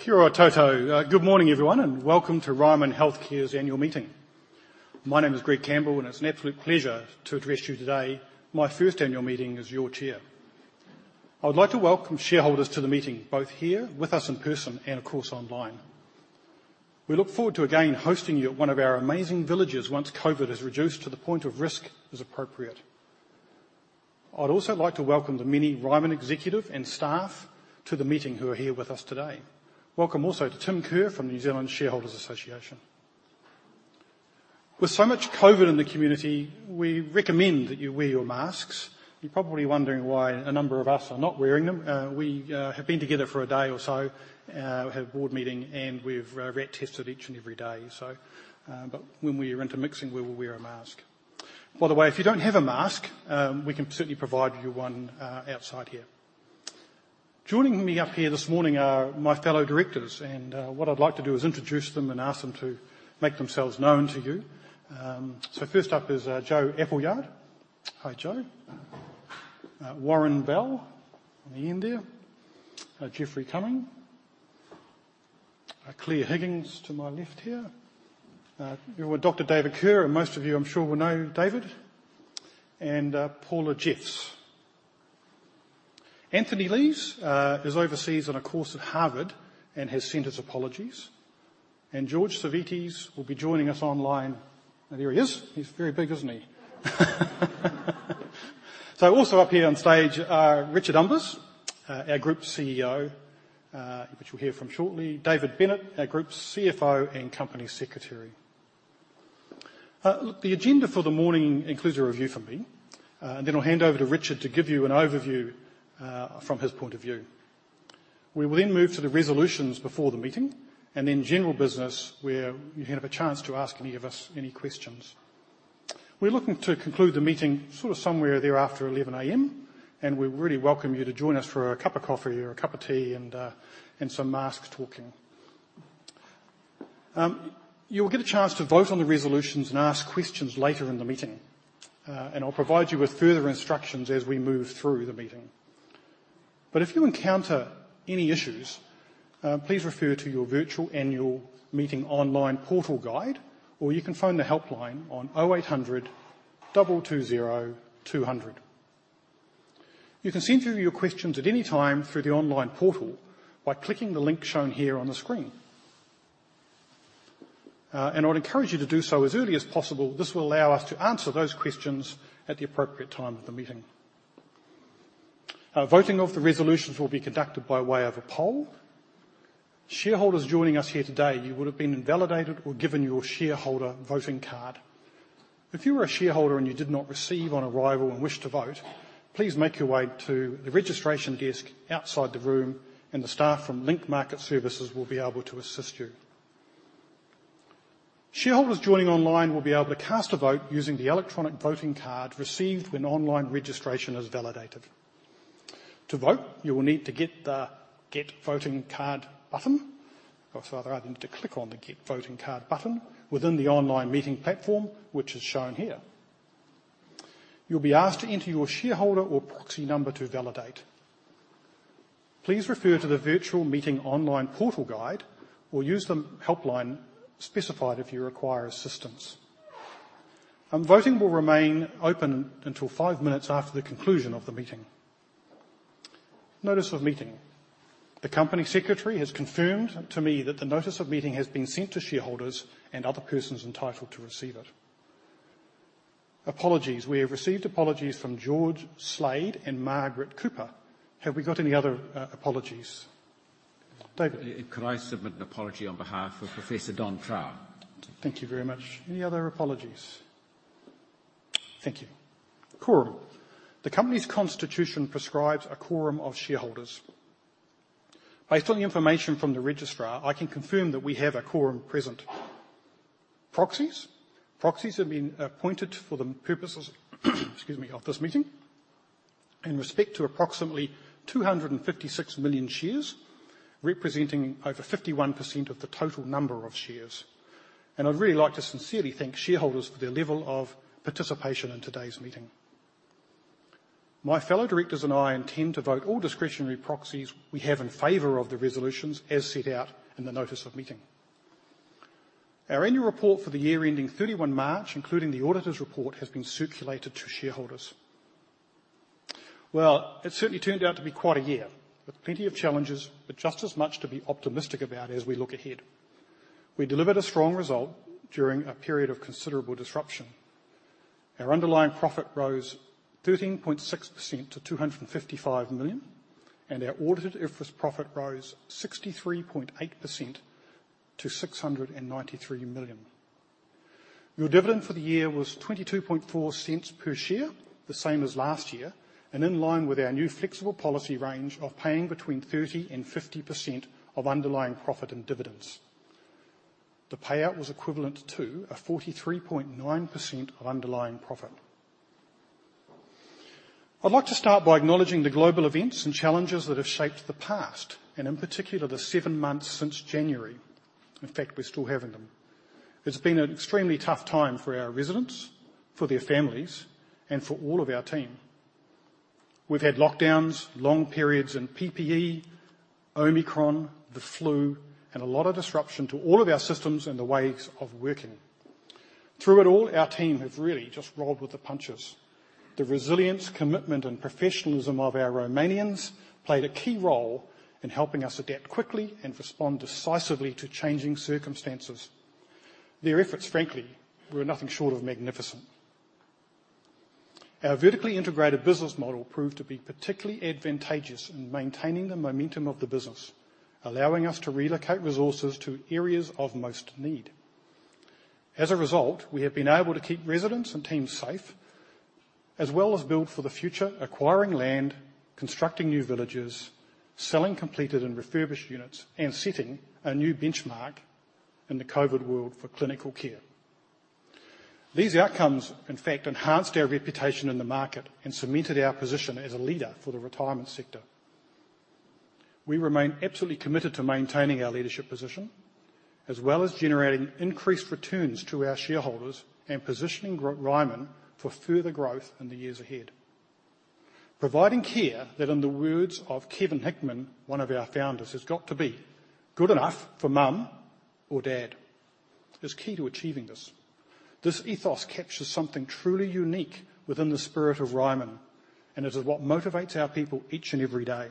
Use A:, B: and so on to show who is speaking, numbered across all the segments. A: Kia ora, tatou. Good morning, everyone, and welcome to Ryman Healthcare's annual meeting. My name is Greg Campbell, and it's an absolute pleasure to address you today, my first annual meeting as your chair. I would like to welcome shareholders to the meeting, both here with us in person and, of course, online. We look forward to again hosting you at one of our amazing villages once COVID has reduced to the point of risk is appropriate. I'd also like to welcome the many Ryman executive and staff to the meeting who are here with us today. Welcome also to Tim Kerr from the New Zealand Shareholders' Association. With so much COVID in the community, we recommend that you wear your masks. You're probably wondering why a number of us are not wearing them. We have been together for a day or so, we had a board meeting, and we've RAT tested each and every day, so but when we are intermixing, we will wear a mask. By the way, if you don't have a mask, we can certainly provide you one outside here. Joining me up here this morning are my fellow directors, and what I'd like to do is introduce them and ask them to make themselves known to you. First up is Jo Appleyard. Hi, Jo. Warren Bell on the end there. Geoffrey Cumming. Claire Higgins to my left here. We have Dr. David Kerr, and most of you, I'm sure, will know David. Paula Jeffs. Anthony Leighs is overseas on a course at Harvard and has sent his apologies. George Savvides will be joining us online. There he is. He's very big, isn't he? Also up here on stage are Richard Umbers, our Group CEO, which you'll hear from shortly. David Bennett, our Group CFO and Company Secretary. Look, the agenda for the morning includes a review from me, and then I'll hand over to Richard to give you an overview, from his point of view. We will then move to the resolutions before the meeting and then general business where you can have a chance to ask any of us any questions. We're looking to conclude the meeting sort of somewhere there after 11 A.M., and we really welcome you to join us for a cup of coffee or a cup of tea and some more talking. You will get a chance to vote on the resolutions and ask questions later in the meeting, and I'll provide you with further instructions as we move through the meeting. If you encounter any issues, please refer to your virtual annual meeting online portal guide, or you can phone the helpline on 0800-220-200. You can send through your questions at any time through the online portal by clicking the link shown here on the screen. I would encourage you to do so as early as possible. This will allow us to answer those questions at the appropriate time of the meeting. Voting of the resolutions will be conducted by way of a poll. Shareholders joining us here today, you would have been validated or given your shareholder voting card. If you are a shareholder and you did not receive on arrival and wish to vote, please make your way to the registration desk outside the room, and the staff from Link Market Services will be able to assist you. Shareholders joining online will be able to cast a vote using the electronic voting card received when online registration is validated. To vote, you will need to get the Get Voting Card button, or rather, you need to click on the Get Voting Card button within the online meeting platform, which is shown here. You'll be asked to enter your shareholder or proxy number to validate. Please refer to the virtual meeting online portal guide or use the helpline specified if you require assistance. Voting will remain open until five minutes after the conclusion of the meeting. Notice of meeting. The company secretary has confirmed to me that the notice of meeting has been sent to shareholders and other persons entitled to receive it. Apologies. We have received apologies from George Slade and Margaret Cooper. Have we got any other apologies? David.
B: Could I submit an apology on behalf of Professor Don Trow?
A: Thank you very much. Any other apologies? Thank you. Quorum. The company's constitution prescribes a quorum of shareholders. Based on the information from the registrar, I can confirm that we have a quorum present. Proxies. Proxies have been appointed for the purposes, excuse me, of this meeting in respect to approximately 256 million shares, representing over 51% of the total number of shares. I'd really like to sincerely thank shareholders for their level of participation in today's meeting. My fellow directors and I intend to vote all discretionary proxies we have in favor of the resolutions as set out in the notice of meeting. Our annual report for the year ending 31 March, including the auditor's report, has been circulated to shareholders. Well, it certainly turned out to be quite a year, with plenty of challenges, but just as much to be optimistic about as we look ahead. We delivered a strong result during a period of considerable disruption. Our underlying profit rose 13.6% to 255 million, and our audited IFRS profit rose 63.8% to NZD 693 million. Your dividend for the year was 0.224 per share, the same as last year, and in line with our new flexible policy range of paying between 30% and 50% of underlying profit and dividends. The payout was equivalent to a 43.9% of underlying profit. I'd like to start by acknowledging the global events and challenges that have shaped the past, and in particular, the seven months since January. In fact, we're still having them. It's been an extremely tough time for our residents, for their families, and for all of our team. We've had lockdowns, long periods in PPE, Omicron, the flu, and a lot of disruption to all of our systems and the ways of working. Through it all, our team have really just rolled with the punches. The resilience, commitment, and professionalism of our Rymanians played a key role in helping us adapt quickly and respond decisively to changing circumstances. Their efforts, frankly, were nothing short of magnificent. Our vertically integrated business model proved to be particularly advantageous in maintaining the momentum of the business, allowing us to relocate resources to areas of most need. As a result, we have been able to keep residents and teams safe, as well as build for the future, acquiring land, constructing new villages, selling completed and refurbished units, and setting a new benchmark in the COVID world for clinical care. These outcomes, in fact, enhanced our reputation in the market and cemented our position as a leader for the retirement sector. We remain absolutely committed to maintaining our leadership position, as well as generating increased returns to our shareholders and positioning Ryman for further growth in the years ahead. Providing care, that in the words of Kevin Hickman, one of our founders, "Has got to be good enough for Mum or Dad," is key to achieving this. This ethos captures something truly unique within the spirit of Ryman, and it is what motivates our people each and every day.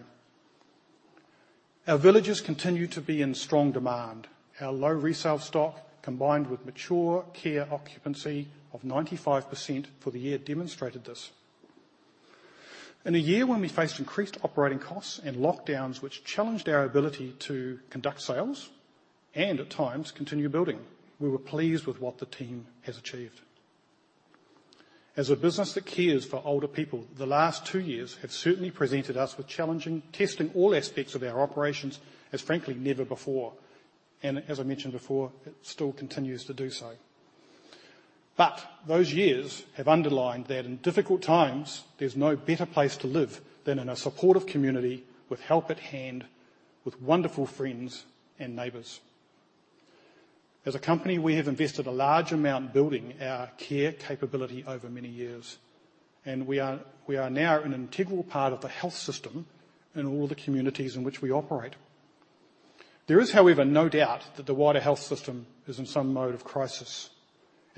A: Our villages continue to be in strong demand. Our low resale stock, combined with mature care occupancy of 95% for the year, demonstrated this. In a year when we faced increased operating costs and lockdowns which challenged our ability to conduct sales and at times continue building, we were pleased with what the team has achieved. As a business that cares for older people, the last two years have certainly presented us with challenging, testing all aspects of our operations as frankly never before, and as I mentioned before, it still continues to do so. Those years have underlined that in difficult times, there's no better place to live than in a supportive community with help at hand, with wonderful friends and neighbors. As a company, we have invested a large amount building our care capability over many years, and we are now an integral part of the health system in all the communities in which we operate. There is, however, no doubt that the wider health system is in some mode of crisis,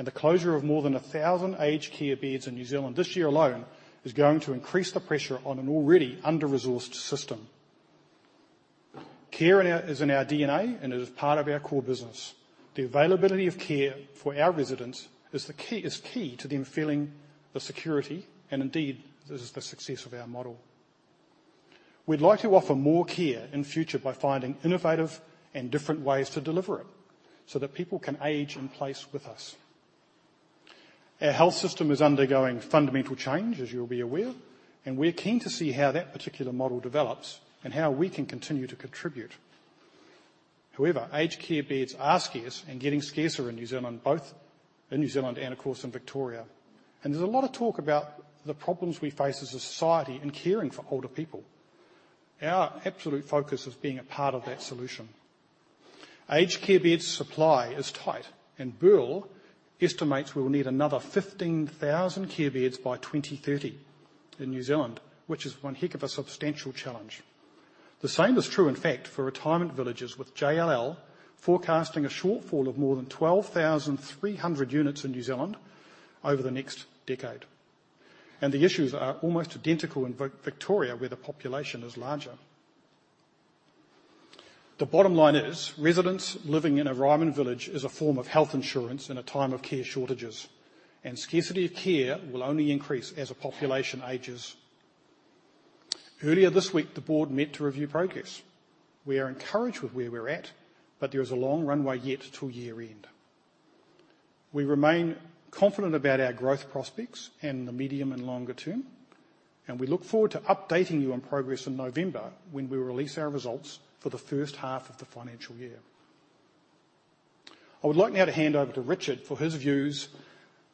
A: and the closure of more than 1,000 aged care beds in New Zealand this year alone is going to increase the pressure on an already under-resourced system. Care is in our DNA, and it is part of our core business. The availability of care for our residents is key to them feeling the security, and indeed, this is the success of our model. We'd like to offer more care in future by finding innovative and different ways to deliver it, so that people can age in place with us. Our health system is undergoing fundamental change, as you'll be aware, and we're keen to see how that particular model develops and how we can continue to contribute. However, aged care beds are scarce and getting scarcer in New Zealand, both in New Zealand and of course in Victoria. There's a lot of talk about the problems we face as a society in caring for older people. Our absolute focus is being a part of that solution. Aged care beds supply is tight, and BERL estimates we will need another 15,000 care beds by 2030 in New Zealand, which is one heck of a substantial challenge. The same is true, in fact, for retirement villages, with JLL forecasting a shortfall of more than 12,300 units in New Zealand over the next decade. The issues are almost identical in Victoria, where the population is larger. The bottom line is, residents living in a Ryman village is a form of health insurance in a time of care shortages, and scarcity of care will only increase as a population ages. Earlier this week, the board met to review progress. We are encouraged with where we're at, but there is a long runway yet to year-end. We remain confident about our growth prospects in the medium and longer term, and we look forward to updating you on progress in November when we release our results for the first half of the financial year. I would like now to hand over to Richard for his views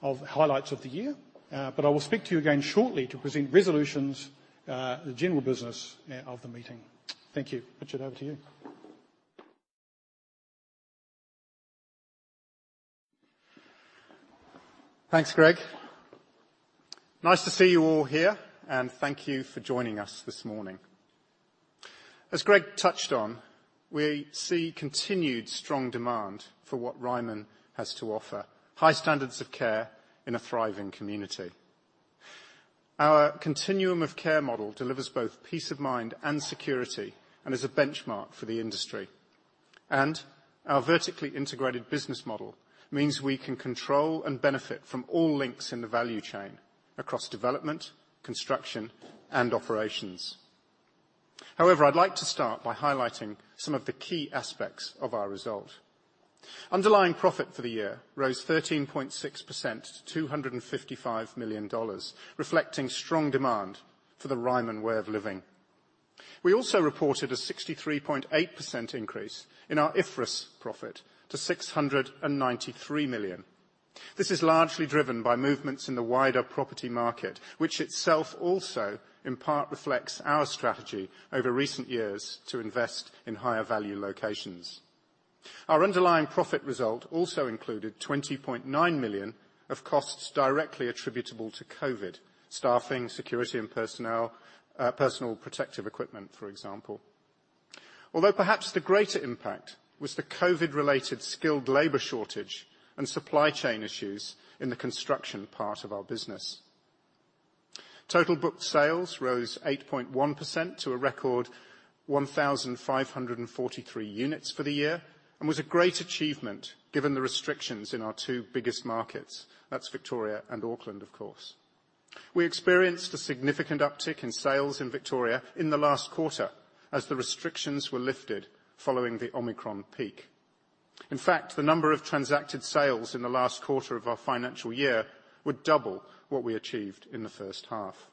A: of highlights of the year, but I will speak to you again shortly to present resolutions, the general business, of the meeting. Thank you. Richard, over to you.
C: Thanks, Greg. Nice to see you all here, and thank you for joining us this morning. As Greg touched on, we see continued strong demand for what Ryman has to offer, high standards of care in a thriving community. Our continuum of care model delivers both peace of mind and security and is a benchmark for the industry. Our vertically-integrated business model means we can control and benefit from all links in the value chain across development, construction, and operations. However, I'd like to start by highlighting some of the key aspects of our result. Underlying profit for the year rose 13.6% to 255 million dollars, reflecting strong demand for the Ryman way of living. We reported a 63.8% increase in our IFRS profit to 693 million. This is largely driven by movements in the wider property market, which itself also in part reflects our strategy over recent years to invest in higher value locations. Our underlying profit result also included 20.9 million of costs directly attributable to COVID, staffing, security and personnel, personal protective equipment, for example. Although perhaps the greater impact was the COVID-related skilled labor shortage and supply chain issues in the construction part of our business. Total book sales rose 8.1% to a record 1,543 units for the year, and was a great achievement given the restrictions in our two biggest markets. That's Victoria and Auckland, of course. We experienced a significant uptick in sales in Victoria in the last quarter as the restrictions were lifted following the Omicron peak. In fact, the number of transacted sales in the last quarter of our financial year were double what we achieved in the first half.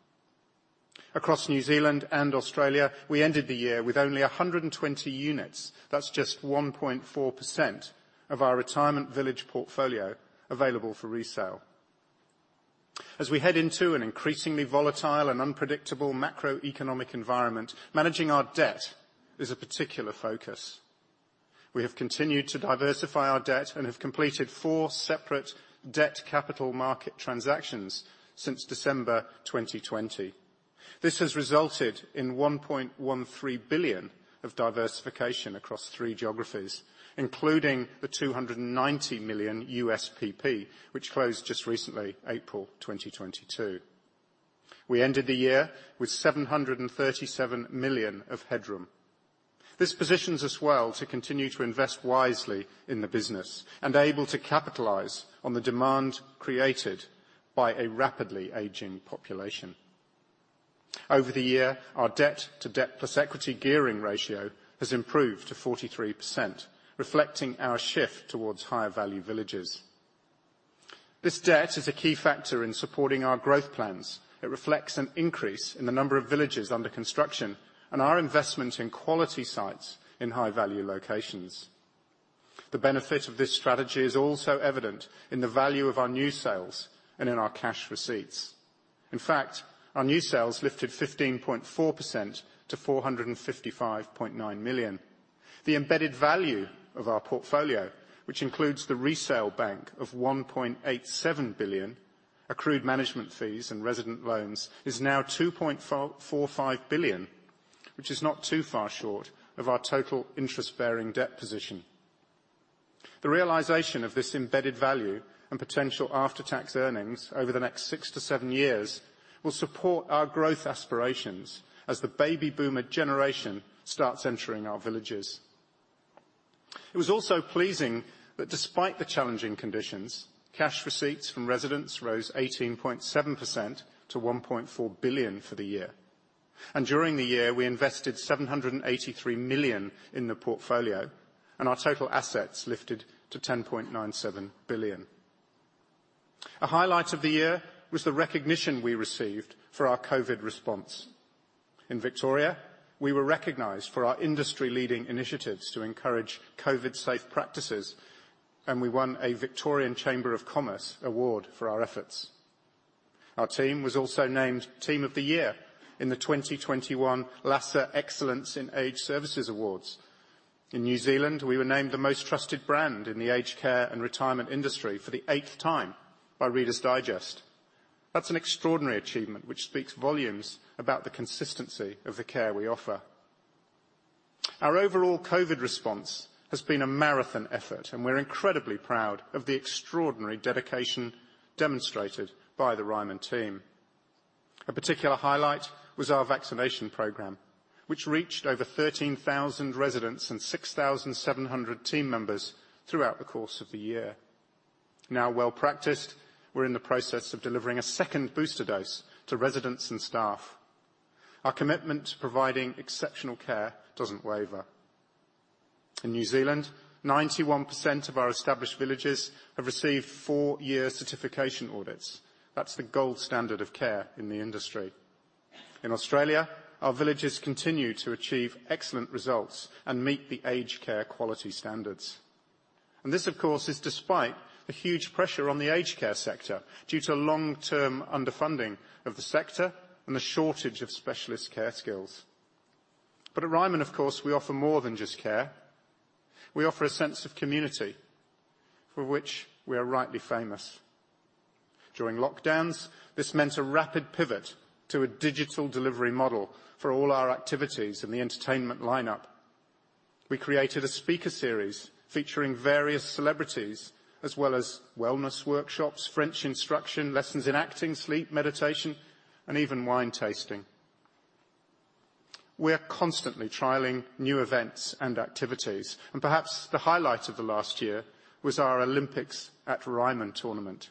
C: Across New Zealand and Australia, we ended the year with only 120 units. That's just 1.4% of our retirement village portfolio available for resale. As we head into an increasingly volatile and unpredictable macroeconomic environment, managing our debt is a particular focus. We have continued to diversify our debt and have completed four separate debt capital market transactions since December 2020. This has resulted in 1.13 billion of diversification across three geographies, including the $290 million USPP, which closed just recently, April 2022. We ended the year with 737 million of headroom. This positions us well to continue to invest wisely in the business and able to capitalize on the demand created by a rapidly aging population. Over the year, our debt-to-debt plus equity gearing ratio has improved to 43%, reflecting our shift towards higher value villages. This debt is a key factor in supporting our growth plans. It reflects an increase in the number of villages under construction and our investment in quality sites in high value locations. The benefit of this strategy is also evident in the value of our new sales and in our cash receipts. In fact, our new sales lifted 15.4% to 455.9 million. The embedded value of our portfolio, which includes the resale bank of 1.87 billion, accrued management fees and resident loans, is now 2.45 billion, which is not too far short of our total interest-bearing debt position. The realization of this embedded value and potential after tax earnings over the next six to seven years will support our growth aspirations as the baby boomer generation starts entering our villages. It was also pleasing that despite the challenging conditions, cash receipts from residents rose 18.7% to 1.4 billion for the year. During the year, we invested 783 million in the portfolio, and our total assets lifted to 10.97 billion. A highlight of the year was the recognition we received for our COVID response. In Victoria, we were recognized for our industry leading initiatives to encourage COVID safe practices, and we won a Victorian Chamber of Commerce award for our efforts. Our team was also named Team of the Year in the 2021 LASA Excellence in Age Services Awards. In New Zealand, we were named the most trusted brand in the aged care and retirement industry for the eighth time by Reader's Digest. That's an extraordinary achievement which speaks volumes about the consistency of the care we offer. Our overall COVID response has been a marathon effort, and we're incredibly proud of the extraordinary dedication demonstrated by the Ryman team. A particular highlight was our vaccination program, which reached over 13,000 residents and 6,700 team members throughout the course of the year. Now well practiced, we're in the process of delivering a second booster dose to residents and staff. Our commitment to providing exceptional care doesn't waver. In New Zealand, 91% of our established villages have received four-year certification audits. That's the gold standard of care in the industry. In Australia, our villages continue to achieve excellent results and meet the aged care quality standards. This, of course, is despite the huge pressure on the aged care sector due to long-term underfunding of the sector and the shortage of specialist care skills. At Ryman, of course, we offer more than just care. We offer a sense of community for which we are rightly famous. During lockdowns, this meant a rapid pivot to a digital delivery model for all our activities in the entertainment lineup. We created a speaker series featuring various celebrities as well as wellness workshops, French instruction, lessons in acting, sleep meditation, and even wine tasting. We are constantly trialing new events and activities, and perhaps the highlight of the last year was our Olympics at Ryman tournament.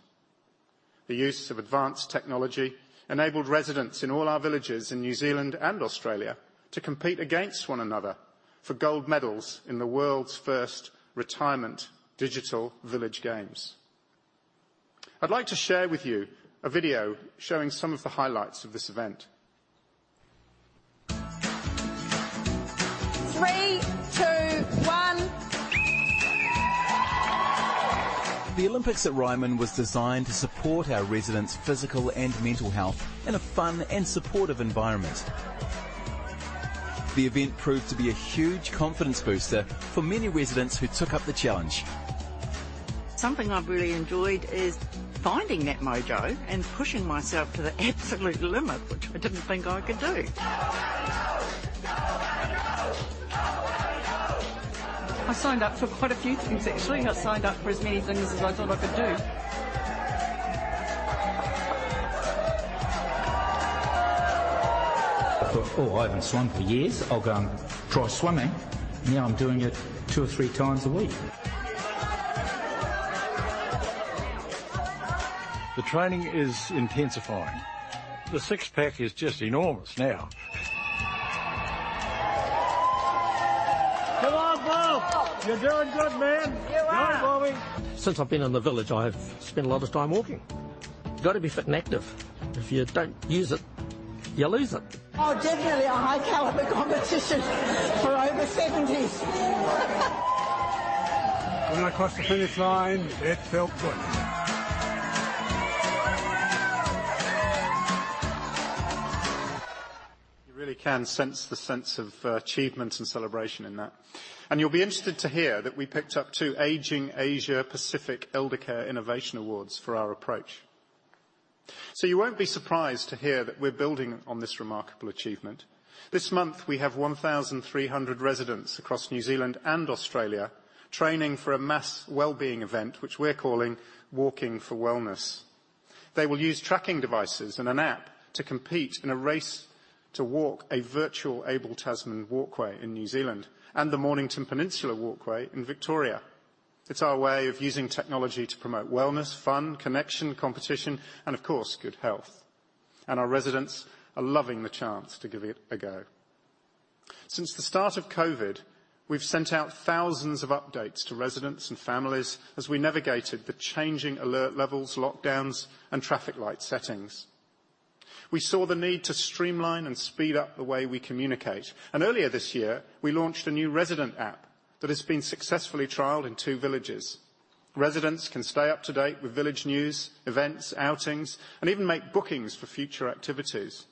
C: The use of advanced technology enabled residents in all our villages in New Zealand and Australia to compete against one another for gold medals in the world's first retirement digital village games. I'd like to share with you a video showing some of the highlights of this event.
D: Three, two, one. The Olympics at Ryman was designed to support our residents' physical and mental health in a fun and supportive environment. The event proved to be a huge confidence booster for many residents who took up the challenge. Something I've really enjoyed is finding that mojo and pushing myself to the absolute limit, which I didn't think I could do. Go, Wally, go. Go, Wally, go. Go, Wally, go. I signed up for quite a few things actually. I signed up for as many things as I thought I could do. I thought, "Oh, I haven't swum for years. I'll go and try swimming." Now I'm doing it two or three times a week. The training is intensifying. The six pack is just enormous now. Come on, Bob. You're doing good, man. You are. Come on, Bobby. Since I've been in the village, I've spent a lot of time walking. Gotta be fit and active. If you don't use it, you lose it. Oh, definitely a high-caliber competition for over 70's. When I crossed the finish line, it felt good.
C: You really can sense the sense of achievement and celebration in that. You'll be interested to hear that we picked up two Ageing Asia Pacific Eldercare Innovation Awards for our approach. You won't be surprised to hear that we're building on this remarkable achievement. This month, we have 1,300 residents across New Zealand and Australia training for a mass wellbeing event, which we're calling Walking for Wellness. They will use tracking devices and an app to compete in a race to walk a virtual Abel Tasman walkway in New Zealand, and the Mornington Peninsula walkway in Victoria. It's our way of using technology to promote wellness, fun, connection, competition, and of course, good health. Our residents are loving the chance to give it a go. Since the start of COVID, we've sent out thousands of updates to residents and families as we navigated the changing alert levels, lockdowns, and traffic light settings. We saw the need to streamline and speed up the way we communicate. Earlier this year, we launched a new resident app that has been successfully trialed in two villages. Residents can stay up-to-date with village news, events, outings, and even make bookings for future activities.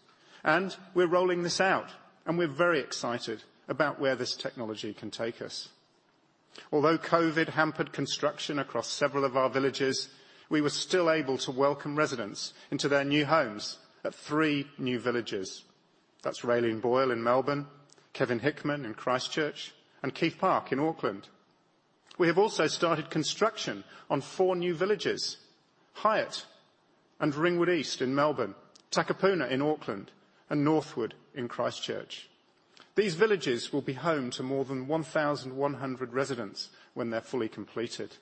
C: We're rolling this out, and we're very excited about where this technology can take us. Although COVID hampered construction across several of our villages, we were still able to welcome residents into their new homes at three new villages. That's Raelene Boyle in Melbourne, Kevin Hickman in Christchurch, and Keith Park in Auckland. We have also started construction on four new villages, Highett and Ringwood East in Melbourne, Takapuna in Auckland, and Northwood in Christchurch. These villages will be home to more than 1,100 residents when they're fully completed.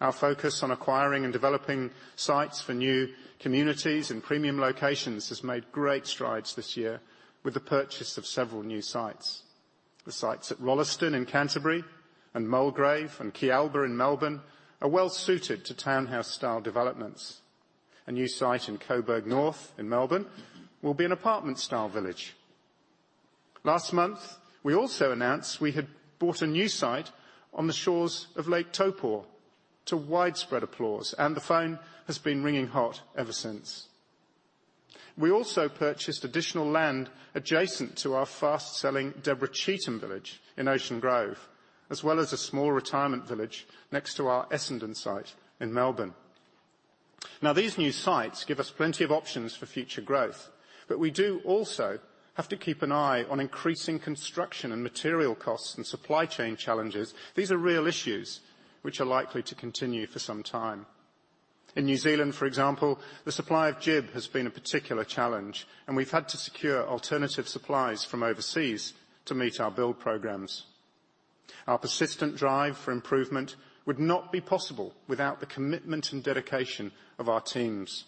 C: Our focus on acquiring and developing sites for new communities and premium locations has made great strides this year with the purchase of several new sites. The sites at Rolleston in Canterbury and Mulgrave and Kealba in Melbourne are well-suited to townhouse style developments. A new site in Coburg North in Melbourne will be an apartment style village. Last month, we also announced we had bought a new site on the shores of Lake Taupō to widespread applause, and the phone has been ringing hot ever since. We also purchased additional land adjacent to our fast-selling Deborah Cheetham Village in Ocean Grove, as well as a small retirement village next to our Essendon site in Melbourne. Now, these new sites give us plenty of options for future growth, but we do also have to keep an eye on increasing construction and material costs and supply chain challenges. These are real issues which are likely to continue for some time. In New Zealand, for example, the supply of GIB has been a particular challenge, and we've had to secure alternative supplies from overseas to meet our build programs. Our persistent drive for improvement would not be possible without the commitment and dedication of our teams.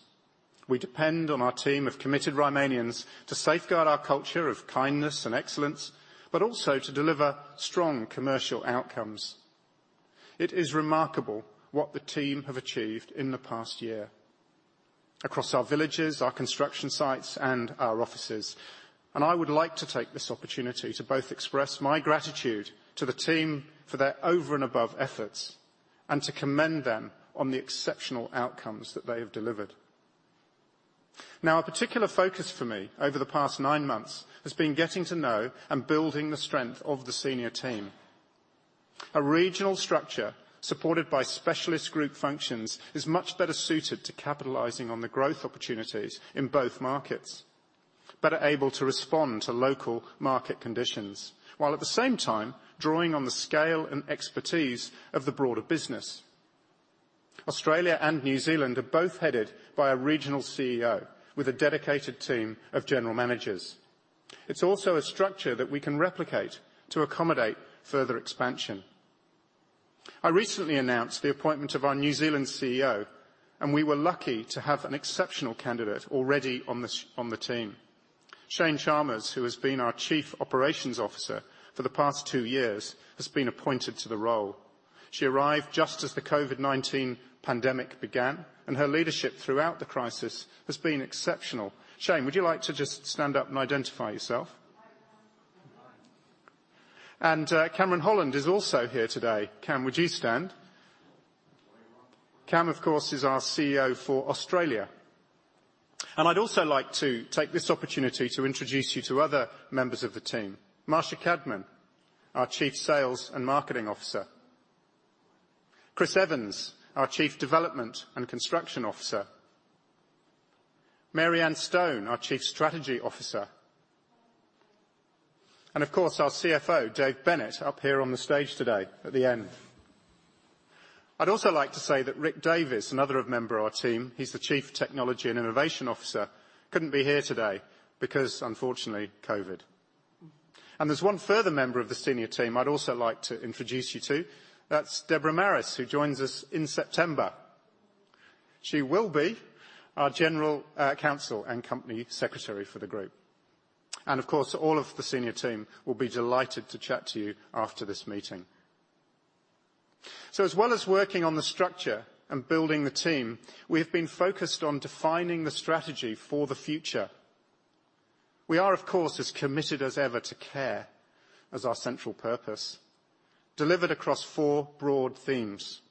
C: We depend on our team of committed Rymanians to safeguard our culture of kindness and excellence, but also to deliver strong commercial outcomes. It is remarkable what the team have achieved in the past year across our villages, our construction sites, and our offices. I would like to take this opportunity to both express my gratitude to the team for their over-and-above efforts, and to commend them on the exceptional outcomes that they have delivered. Now, a particular focus for me over the past nine months has been getting to know and building the strength of the senior team. A regional structure supported by specialist group functions is much better suited to capitalizing on the growth opportunities in both markets, better able to respond to local market conditions, while at the same time drawing on the scale and expertise of the broader business. Australia and New Zealand are both headed by a regional CEO with a dedicated team of general managers. It's also a structure that we can replicate to accommodate further expansion. I recently announced the appointment of our New Zealand CEO, and we were lucky to have an exceptional candidate already on the team. Cheyne Chalmers, who has been our Chief Operations Officer for the past two years, has been appointed to the role. She arrived just as the COVID-19 pandemic began, and her leadership throughout the crisis has been exceptional. Cheyne, would you like to just stand up and identify yourself? Cameron Holland is also here today. Cam, would you stand? Cam, of course, is our CEO for Australia. I'd also like to take this opportunity to introduce you to other members of the team. Marsha Cadman, our Chief Sales and Marketing Officer. Chris Evans, our Chief Development and Construction Officer. Mary-Anne Stone, our Chief Strategy Officer. Of course, our CFO, David Bennett, up here on the stage today at the end. I'd also like to say that Rick Davies, another member of our team, he's the Chief Technology and Innovation Officer, couldn't be here today because, unfortunately, COVID. There's one further member of the senior team I'd also like to introduce you to. That's Deborah Marris, who joins us in September. She will be our General Counsel and Company Secretary for the group. Of course, all of the senior team will be delighted to chat to you after this meeting. As well as working on the structure and building the team, we have been focused on defining the strategy for the future. We are, of course, as committed as ever to care as our central purpose, delivered across four broad themes.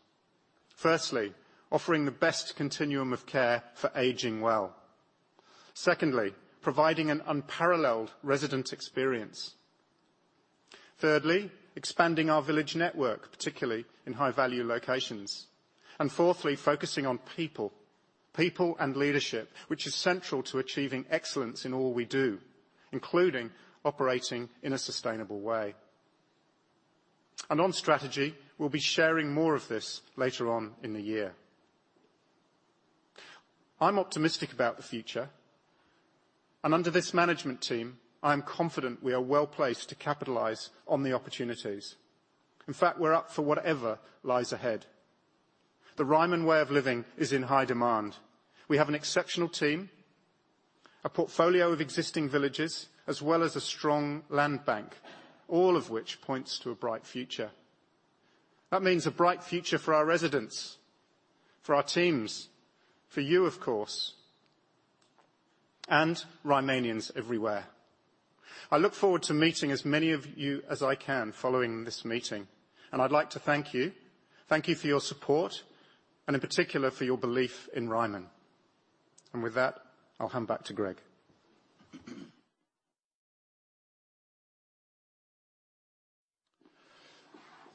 C: Firstly, offering the best continuum of care for aging well. Secondly, providing an unparalleled resident experience. Thirdly, expanding our village network, particularly in high-value locations. Fourthly, focusing on people and leadership, which is central to achieving excellence in all we do, including operating in a sustainable way. On strategy, we'll be sharing more of this later on in the year. I'm optimistic about the future. Under this management team, I am confident we are well-placed to capitalize on the opportunities. In fact, we're up for whatever lies ahead. The Ryman way of living is in high demand. We have an exceptional team, a portfolio of existing villages, as well as a strong land bank, all of which points to a bright future. That means a bright future for our residents, for our teams, for you, of course, and Rymanians everywhere. I look forward to meeting as many of you as I can following this meeting, and I'd like to thank you. Thank you for your support, and in particular, for your belief in Ryman. With that, I'll hand back to Greg.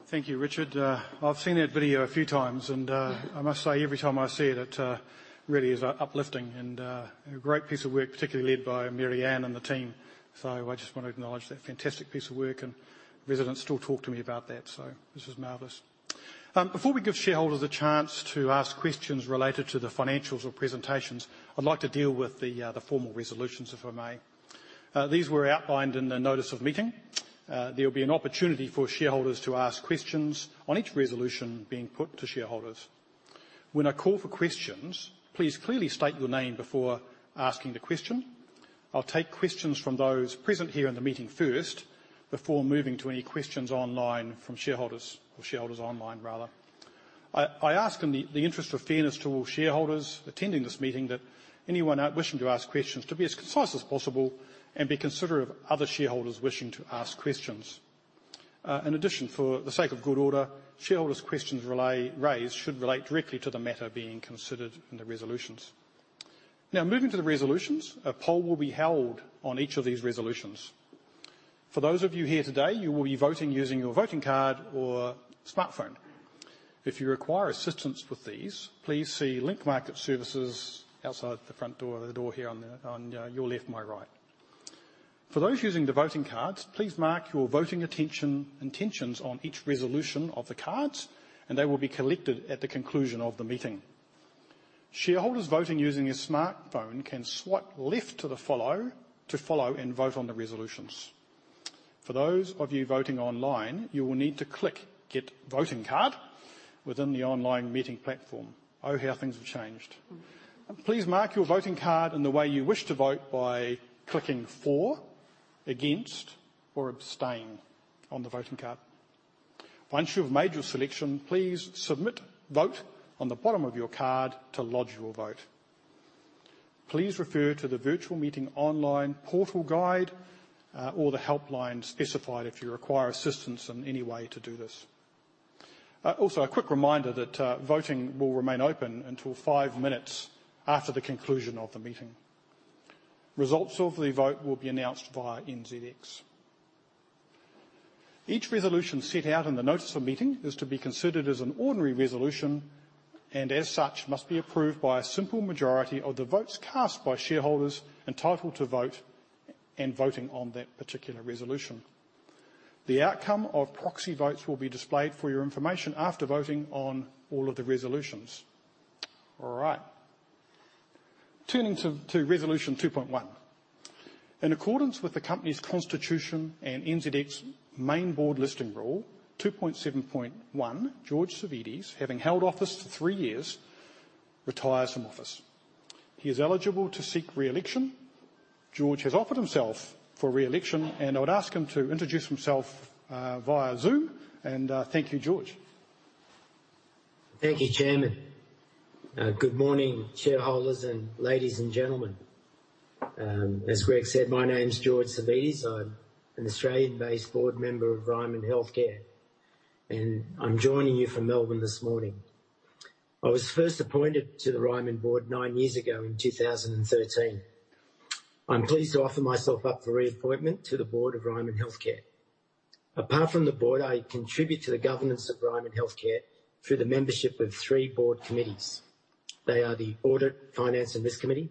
A: Thank you, Richard. I've seen that video a few times, and I must say, every time I see it, really is uplifting and a great piece of work, particularly led by Mary-Anne and the team. I just wanna acknowledge that fantastic piece of work, and residents still talk to me about that. This is marvelous. Before we give shareholders a chance to ask questions related to the financials or presentations, I'd like to deal with the formal resolutions, if I may. These were outlined in the notice of meeting. There'll be an opportunity for shareholders to ask questions on each resolution being put to shareholders. When I call for questions, please clearly state your name before asking the question. I'll take questions from those present here in the meeting first before moving to any questions online from shareholders, or shareholders online, rather. I ask in the interest of fairness to all shareholders attending this meeting that anyone wishing to ask questions be as concise as possible and be considerate of other shareholders wishing to ask questions. In addition, for the sake of good order, shareholders' questions raised should relate directly to the matter being considered in the resolutions. Now, moving to the resolutions, a poll will be held on each of these resolutions. For those of you here today, you will be voting using your voting card or smartphone. If you require assistance with these, please see Link Market Services outside the front door, the door here on your left, my right. For those using the voting cards, please mark your voting intentions on each resolution on the cards, and they will be collected at the conclusion of the meeting. Shareholders voting using a smartphone can swipe left to follow and vote on the resolutions. For those of you voting online, you will need to click Get Voting Card within the online meeting platform. Oh, how things have changed. Please mark your voting card in the way you wish to vote by clicking For, Against, or Abstain on the voting card. Once you've made your selection, please Submit Vote on the bottom of your card to lodge your vote. Please refer to the Virtual Meeting online portal guide, or the helpline specified if you require assistance in any way to do this. Also, a quick reminder that voting will remain open until five minutes after the conclusion of the meeting. Results of the vote will be announced via NZX. Each resolution set out in the notice of meeting is to be considered as an ordinary resolution, and as such, must be approved by a simple majority of the votes cast by shareholders entitled to vote and voting on that particular resolution. The outcome of proxy votes will be displayed for your information after voting on all of the resolutions. All right. Turning to Resolution 2.1. In accordance with the company's constitution and NZX Main Board Listing Rule 2.7.1, George Savvides, having held office for three years, retires from office. He is eligible to seek re-election. George has offered himself for re-election, and I would ask him to introduce himself via Zoom. Thank you, George.
E: Thank you, Chairman. Good morning, shareholders and ladies and gentlemen. As Greg said, my name is George Savvides. I'm an Australian-based board member of Ryman Healthcare, and I'm joining you from Melbourne this morning. I was first appointed to the Ryman board nine years ago in 2013. I'm pleased to offer myself up for reappointment to the board of Ryman Healthcare. Apart from the board, I contribute to the governance of Ryman Healthcare through the membership of three board committees. They are the Audit, Finance, and Risk Committee,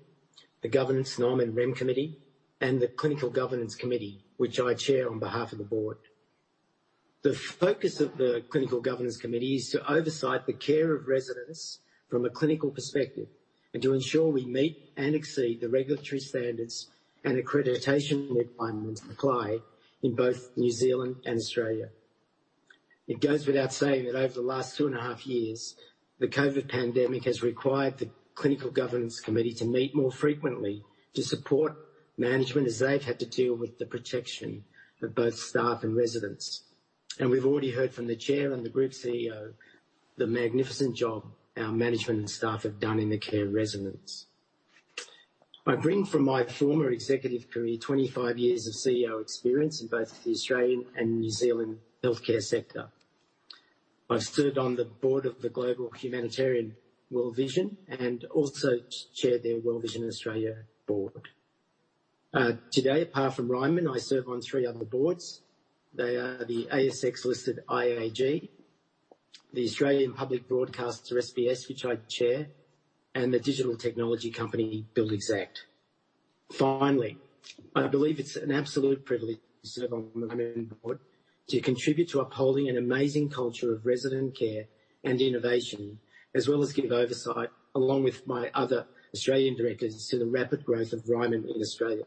E: the Governance, Nom and Rem Committee, and the Clinical Governance Committee, which I chair on behalf of the board. The focus of the Clinical Governance Committee is to oversee the care of residents from a clinical perspective and to ensure we meet and exceed the regulatory standards and accreditation requirements applied in both New Zealand and Australia. It goes without saying that over the last two and a half years, the COVID pandemic has required the Clinical Governance Committee to meet more frequently to support management as they've had to deal with the protection of both staff and residents. We've already heard from the Chair and the group CEO, the magnificent job our management and staff have done in the care of residents. I bring from my former executive career, 25 years of CEO experience in both the Australian and New Zealand healthcare sector. I've served on the board of the global humanitarian, World Vision, and also chaired their World Vision Australia board. Today, apart from Ryman, I serve on three other boards. They are the ASX-listed IAG, the Australian public broadcaster SBS, which I chair, and the digital technology company Buildxact. Finally, I believe it's an absolute privilege to serve on the Ryman board to contribute to upholding an amazing culture of resident care and innovation, as well as give oversight, along with my other Australian directors, to the rapid growth of Ryman in Australia,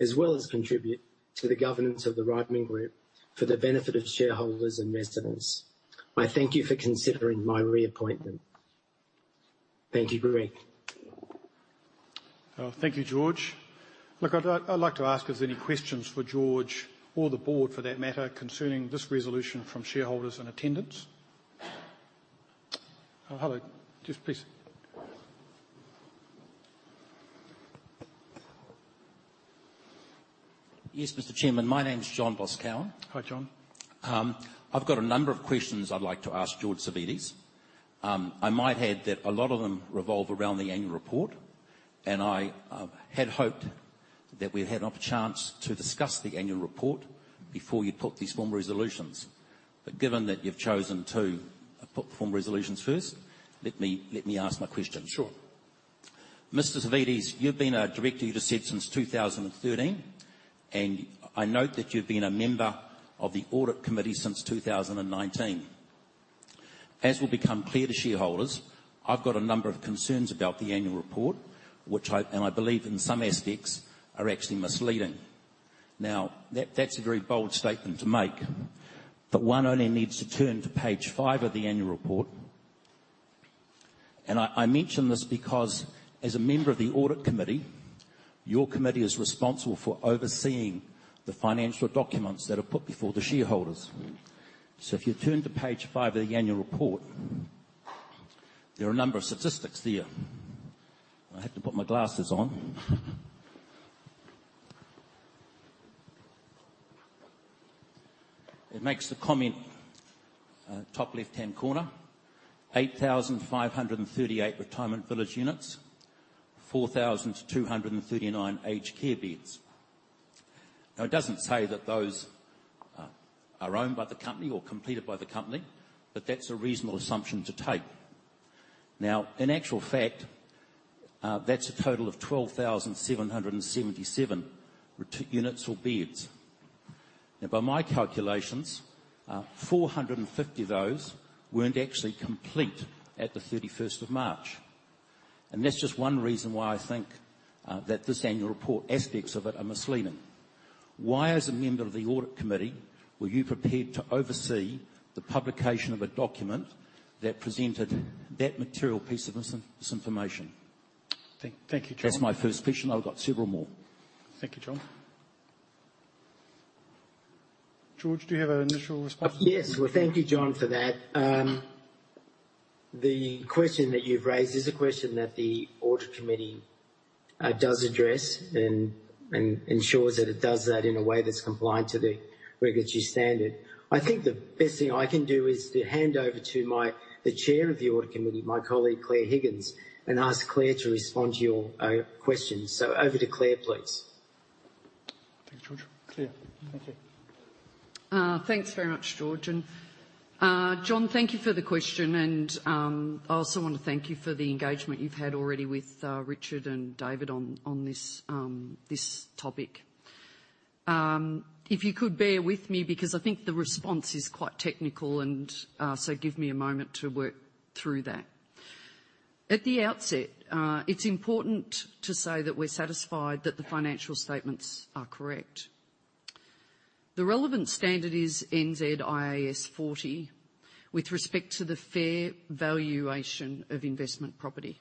E: as well as contribute to the governance of the Ryman group for the benefit of shareholders and residents. I thank you for considering my reappointment. Thank you, Greg.
A: Thank you, George. Look, I'd like to ask if there's any questions for George or the board for that matter, concerning this resolution from shareholders in attendance. Hello. Yes, please.
F: Yes, Mr. Chairman. My name is John Boscawen.
A: Hi, John.
F: I've got a number of questions I'd like to ask George Savvides. I might add that a lot of them revolve around the annual report, and I had hoped that we had a chance to discuss the annual report before you put these formal resolutions. Given that you've chosen to put the formal resolutions first, let me ask my question. Mr. Savvides, you've been a director, you just said, since 2013, and I note that you've been a member of the audit committee since 2019. As will become clear to shareholders, I've got a number of concerns about the annual report, which I believe in some aspects are actually misleading. Now, that's a very bold statement to make, but one only needs to turn to page five of the annual report. I mention this because as a member of the audit committee, your committee is responsible for overseeing the financial documents that are put before the shareholders. If you turn to page five of the annual report, there are a number of statistics there. I have to put my glasses on. It makes the comment, top left-hand corner, 8,538 retirement village units, 4,239 aged care beds. Now, it doesn't say that those are owned by the company or completed by the company, but that's a reasonable assumption to take. Now, in actual fact, that's a total of 12,777 units or beds. Now, by my calculations, 450 of those weren't actually complete at the 31st of March. That's just one reason why I think that this annual report, aspects of it are misleading. Why, as a member of the Audit Committee, were you prepared to oversee the publication of a document that presented that material piece of misinformation? That's my first question. I've got several more.
A: Thank you, John. George, do you have an initial response?
E: Yes. Well, thank you, John, for that. The question that you've raised is a question that the audit committee does address and ensures that it does that in a way that's compliant to the regulatory standard. I think the best thing I can do is to hand over to the chair of the audit committee, my colleague, Claire Higgins, and ask Claire to respond to your question. Over to Claire, please.
G: Thanks very much, George. John, thank you for the question. I also want to thank you for the engagement you've had already with Richard and David on this topic. If you could bear with me because I think the response is quite technical and so give me a moment to work through that. At the outset, it's important to say that we're satisfied that the financial statements are correct. The relevant standard is NZ IAS 40, with respect to the fair valuation of investment property.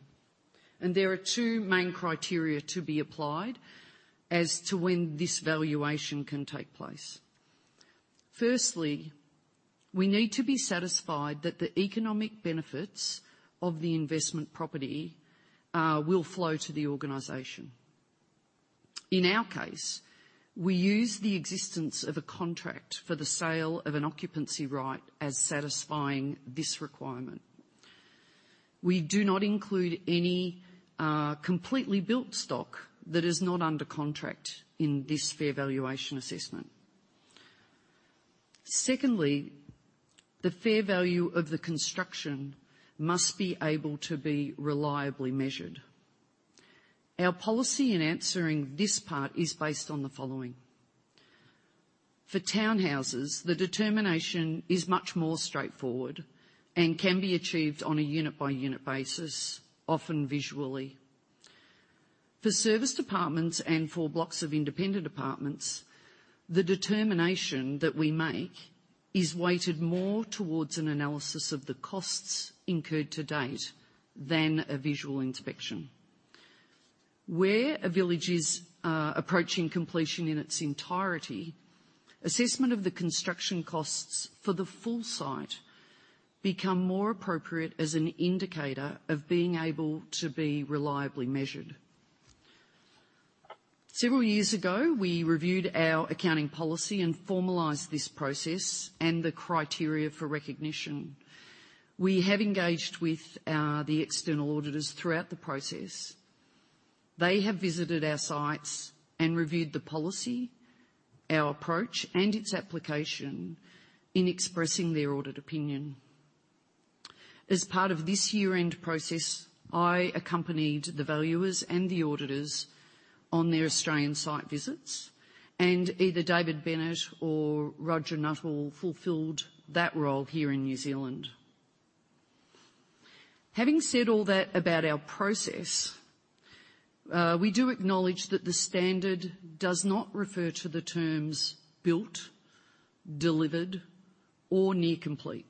G: There are two main criteria to be applied as to when this valuation can take place. Firstly, we need to be satisfied that the economic benefits of the investment property will flow to the organization. In our case, we use the existence of a contract for the sale of an occupancy right as satisfying this requirement. We do not include any completely built stock that is not under contract in this fair valuation assessment. Secondly, the fair value of the construction must be able to be reliably measured. Our policy in answering this part is based on the following. For townhouses, the determination is much more straightforward and can be achieved on a unit-by-unit basis, often visually. For service departments and for blocks of independent departments, the determination that we make is weighted more towards an analysis of the costs incurred to date than a visual inspection. Where a village is approaching completion in its entirety, assessment of the construction costs for the full site become more appropriate as an indicator of being able to be reliably measured. Several years ago, we reviewed our accounting policy and formalized this process and the criteria for recognition. We have engaged with the external auditors throughout the process. They have visited our sites and reviewed the policy, our approach, and its application in expressing their audit opinion. As part of this year-end process, I accompanied the valuers and the auditors on their Australian site visits, and either David Bennett or Roger Nuttall fulfilled that role here in New Zealand. Having said all that about our process, we do acknowledge that the standard does not refer to the terms built, delivered, or near complete.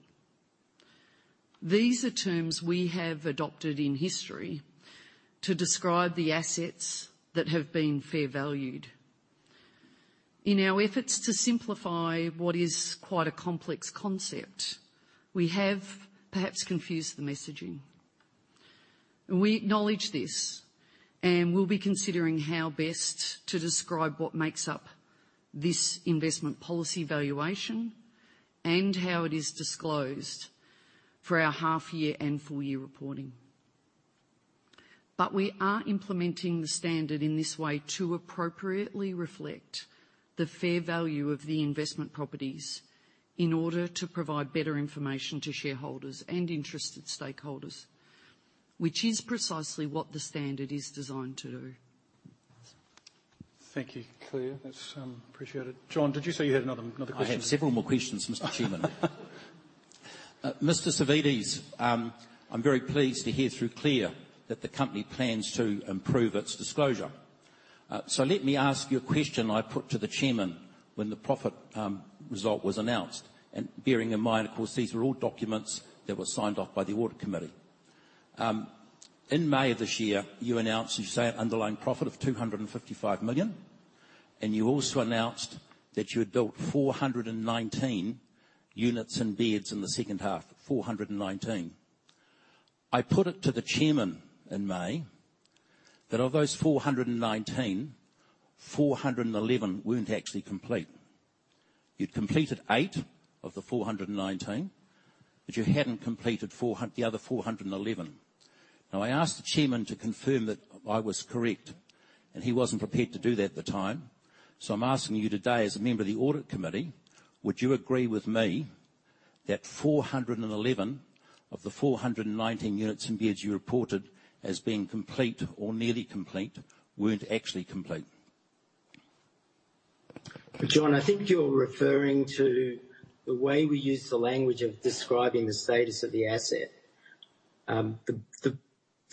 G: These are terms we have adopted in history to describe the assets that have been fair valued. In our efforts to simplify what is quite a complex concept, we have perhaps confused the messaging. We acknowledge this, and we'll be considering how best to describe what makes up this investment property valuation and how it is disclosed for our half year and full year reporting. We are implementing the standard in this way to appropriately reflect the fair value of the investment properties in order to provide better information to shareholders and interested stakeholders, which is precisely what the standard is designed to do.
A: Thank you, Claire. That's appreciated. John, did you say you had another question?
F: I have several more questions, Mr. Chairman. Mr. Savvides, I'm very pleased to hear through Claire that the company plans to improve its disclosure. Let me ask you a question I put to the Chairman when the profit result was announced. Bearing in mind, of course, these were all documents that were signed off by the audit committee. In May of this year, you announced, as you say, an underlying profit of 255 million, and you also announced that you had built 419 units and beds in the second half, 419. I put it to the chairman in May that of those 419, 411 weren't actually complete. You'd completed 8 of the 419, but you hadn't completed the other 411. Now, I asked the Chairman to confirm that I was correct, and he wasn't prepared to do that at the time. I'm asking you today, as a member of the audit committee, would you agree with me that 411 of the 419 units and beds you reported as being complete or nearly complete weren't actually complete?
E: John, I think you're referring to the way we use the language of describing the status of the asset. The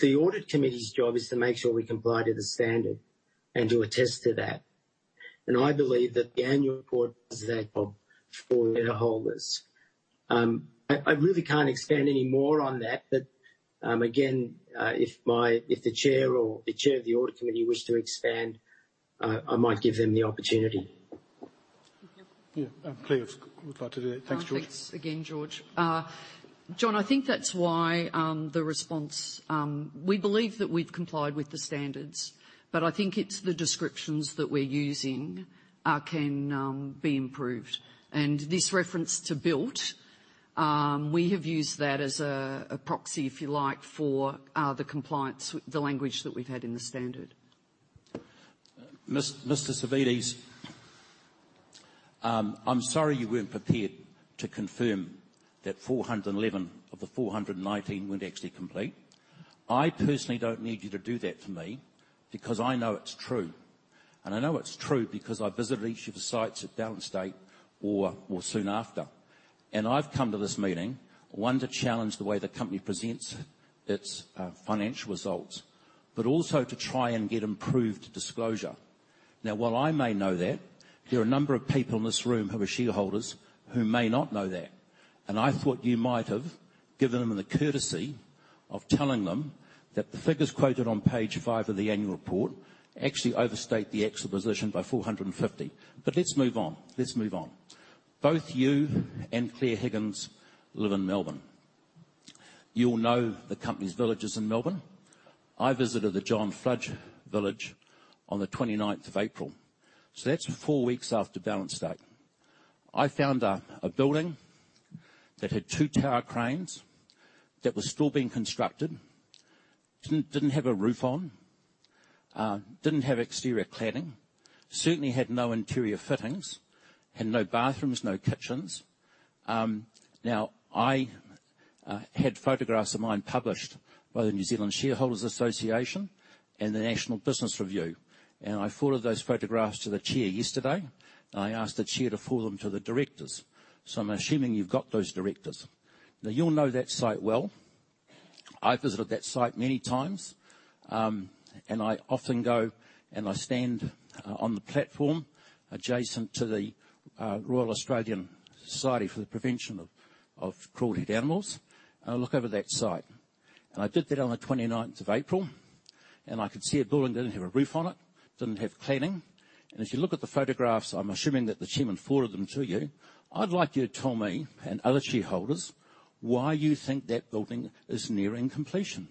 E: audit committee's job is to make sure we comply to the standard and to attest to that. I believe that the annual report [does that job for shareholders]. I really can't expand any more on that, but again, if the chair of the audit committee wish to expand, I might give them the opportunity.
G: Thanks again, George. John, I think that's why the response we believe that we've complied with the standards, but I think it's the descriptions that we're using can be improved. This reference to built we have used that as a proxy, if you like, for the compliance, the language that we've had in the standard.
F: Mr. Savvides, I'm sorry you weren't prepared to confirm that 411 of the 419 weren't actually complete. I personally don't need you to do that for me because I know it's true, and I know it's true because I visited each of the sites at [Downer] or soon after. I've come to this meeting, one, to challenge the way the company presents its financial results, but also to try and get improved disclosure. Now, while I may know that, there are a number of people in this room who are shareholders who may not know that. I thought you might have given them the courtesy of telling them that the figures quoted on page five of the annual report actually overstate the actual position by 450. Let's move on. Let's move on. Both you and Claire Higgins live in Melbourne. You'll know the company's villages in Melbourne. I visited the John Flynn Village on the 29th of April, so that's four weeks after balance date. I found a building that had two tower cranes, that was still being constructed, didn't have a roof on, didn't have exterior cladding, certainly had no interior fittings, had no bathrooms, no kitchens. Now, I had photographs of mine published by the New Zealand Shareholders' Association and the National Business Review, and I forwarded those photographs to the chair yesterday. I asked the chair to forward them to the directors. I'm assuming you've got those, directors. Now, you'll know that site well. I've visited that site many times. I often go, and I stand on the platform adjacent to the Royal Australian Society for the Prevention of Cruelty to Animals, and I look over that site. I did that on the 29th of April, and I could see a building didn't have a roof on it, didn't have cladding. As you look at the photographs, I'm assuming that the chairman forwarded them to you, I'd like you to tell me and other shareholders why you think that building is nearing completion.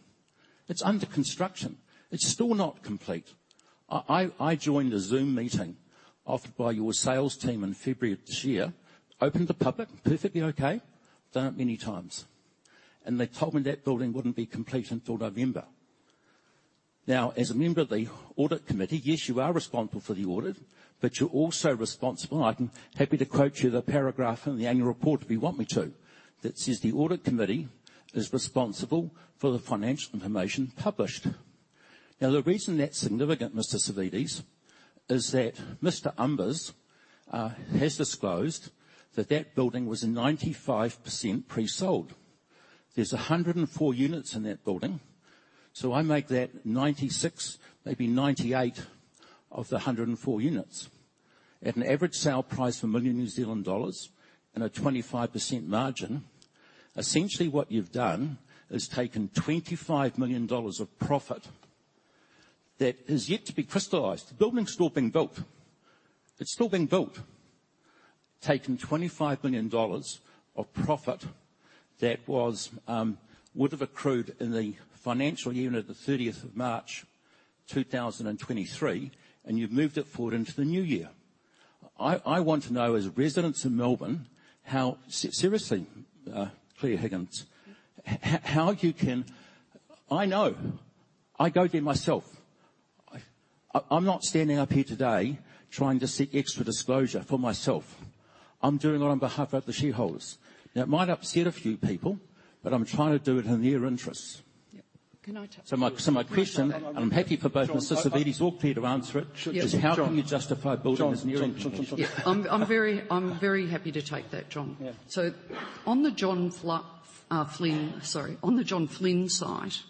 F: It's under construction. It's still not complete. I joined a Zoom meeting offered by your sales team in February of this year. Open to public, perfectly okay. Done it many times. They told me that building wouldn't be complete until November. Now, as a member of the audit committee, yes, you are responsible for the audit, but you're also responsible, I'm happy to quote you the paragraph in the annual report if you want me to. That says, "The audit committee is responsible for the financial information published." Now, the reason that's significant, Mr. Savvides, is that Mr. Umbers has disclosed that that building was 95% pre-sold. There's 104 units in that building, so I make that 96, maybe 98 of the 104 units. At an average sale price of 1 million New Zealand dollars and a 25% margin, essentially what you've done is taken 25 million dollars of profit that has yet to be crystallized. The building's still being built. It's still being built. Taken 25 million dollars of profit that would have accrued in the financial year ended the 30th of March, 2023, and you've moved it forward into the new year. I want to know, as residents in Melbourne, how seriously, Claire Higgins, how you can. I know. I go there myself. I'm not standing up here today trying to seek extra disclosure for myself. I'm doing it on behalf of the shareholders. Now, it might upset a few people, but I'm trying to do it in their interests. My question, and I'm happy for both Mr. Savvides or Claire to answer it. How can you justify building this new-
G: Yeah. I'm very happy to take that, John. On the John Flynn site,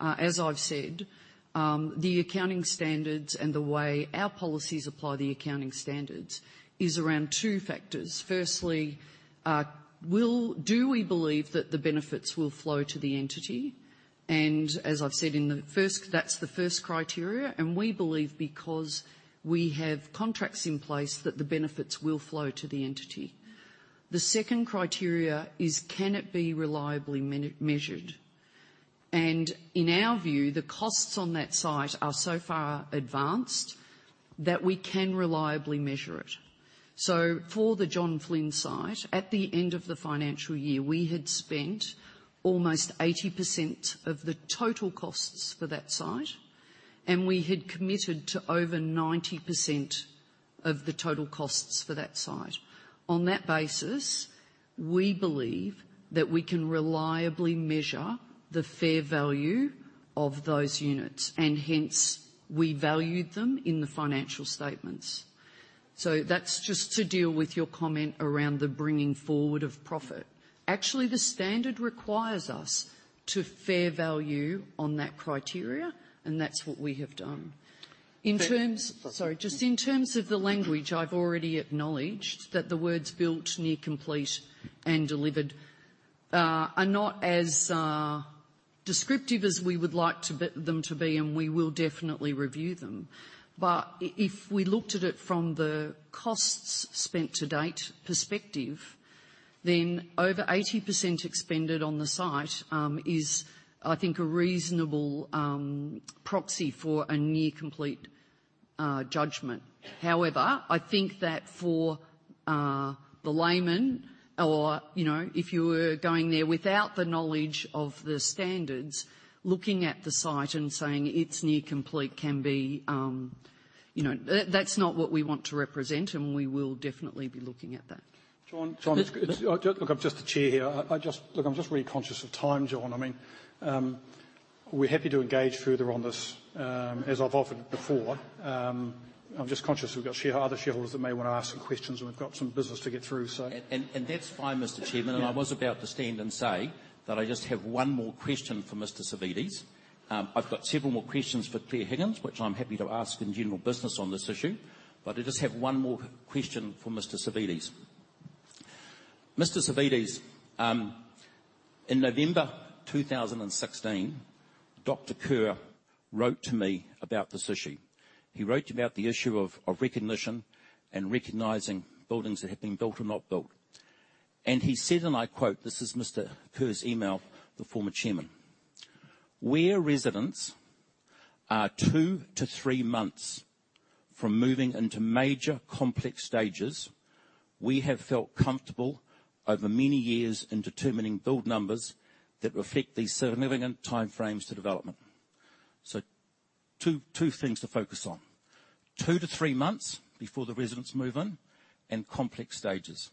G: as I've said, the accounting standards and the way our policies apply the accounting standards is around two factors. Firstly, do we believe that the benefits will flow to the entity? As I've said, in the first, that's the first criteria, we believe because we have contracts in place that the benefits will flow to the entity. The second criteria is can it be reliably measured? In our view, the costs on that site are so far advanced that we can reliably measure it. For the John Flynn site, at the end of the financial year, we had spent almost 80% of the total costs for that site, and we had committed to over 90% of the total costs for that site. On that basis, we believe that we can reliably measure the fair value of those units, and hence we valued them in the financial statements. That's just to deal with your comment around the bringing forward of profit. Actually, the standard requires us to fair value on that criteria, and that's what we have done. Sorry. Just in terms of the language, I've already acknowledged that the words built, near complete, and delivered are not as descriptive as we would like them to be, and we will definitely review them. If we looked at it from the costs spent-to-date perspective, then over 80% expended on the site is I think a reasonable proxy for a near-complete judgment. However, I think that for the layman or, you know, if you were going there without the knowledge of the standards, looking at the site and saying it's near complete can be, you know. That's not what we want to represent, and we will definitely be looking at that.
A: John. Look, I'm just the Chair here. Look, I'm just really conscious of time, John. I mean. We're happy to engage further on this, as I've offered before. I'm just conscious we've got other shareholders that may wanna ask some questions, and we've got some business to get through, so.
F: That's fine, Mr. Chairman. I was about to stand and say that I just have one more question for Mr. Savvides. I've got several more questions for Claire Higgins, which I'm happy to ask in general business on this issue, but I just have one more question for Mr. Savvides. Mr. Savvides, in November 2016, Dr. Kerr wrote to me about this issue. He wrote about the issue of recognition and recognizing buildings that have been built or not built. He said, and I quote, this is Mr. Kerr's email, the former chairman, "Where residents are two to three months from moving into major complex stages, we have felt comfortable over many years in determining build numbers that reflect these significant timeframes to development." Two things to focus on, two-three months before the residents move in and complex stages.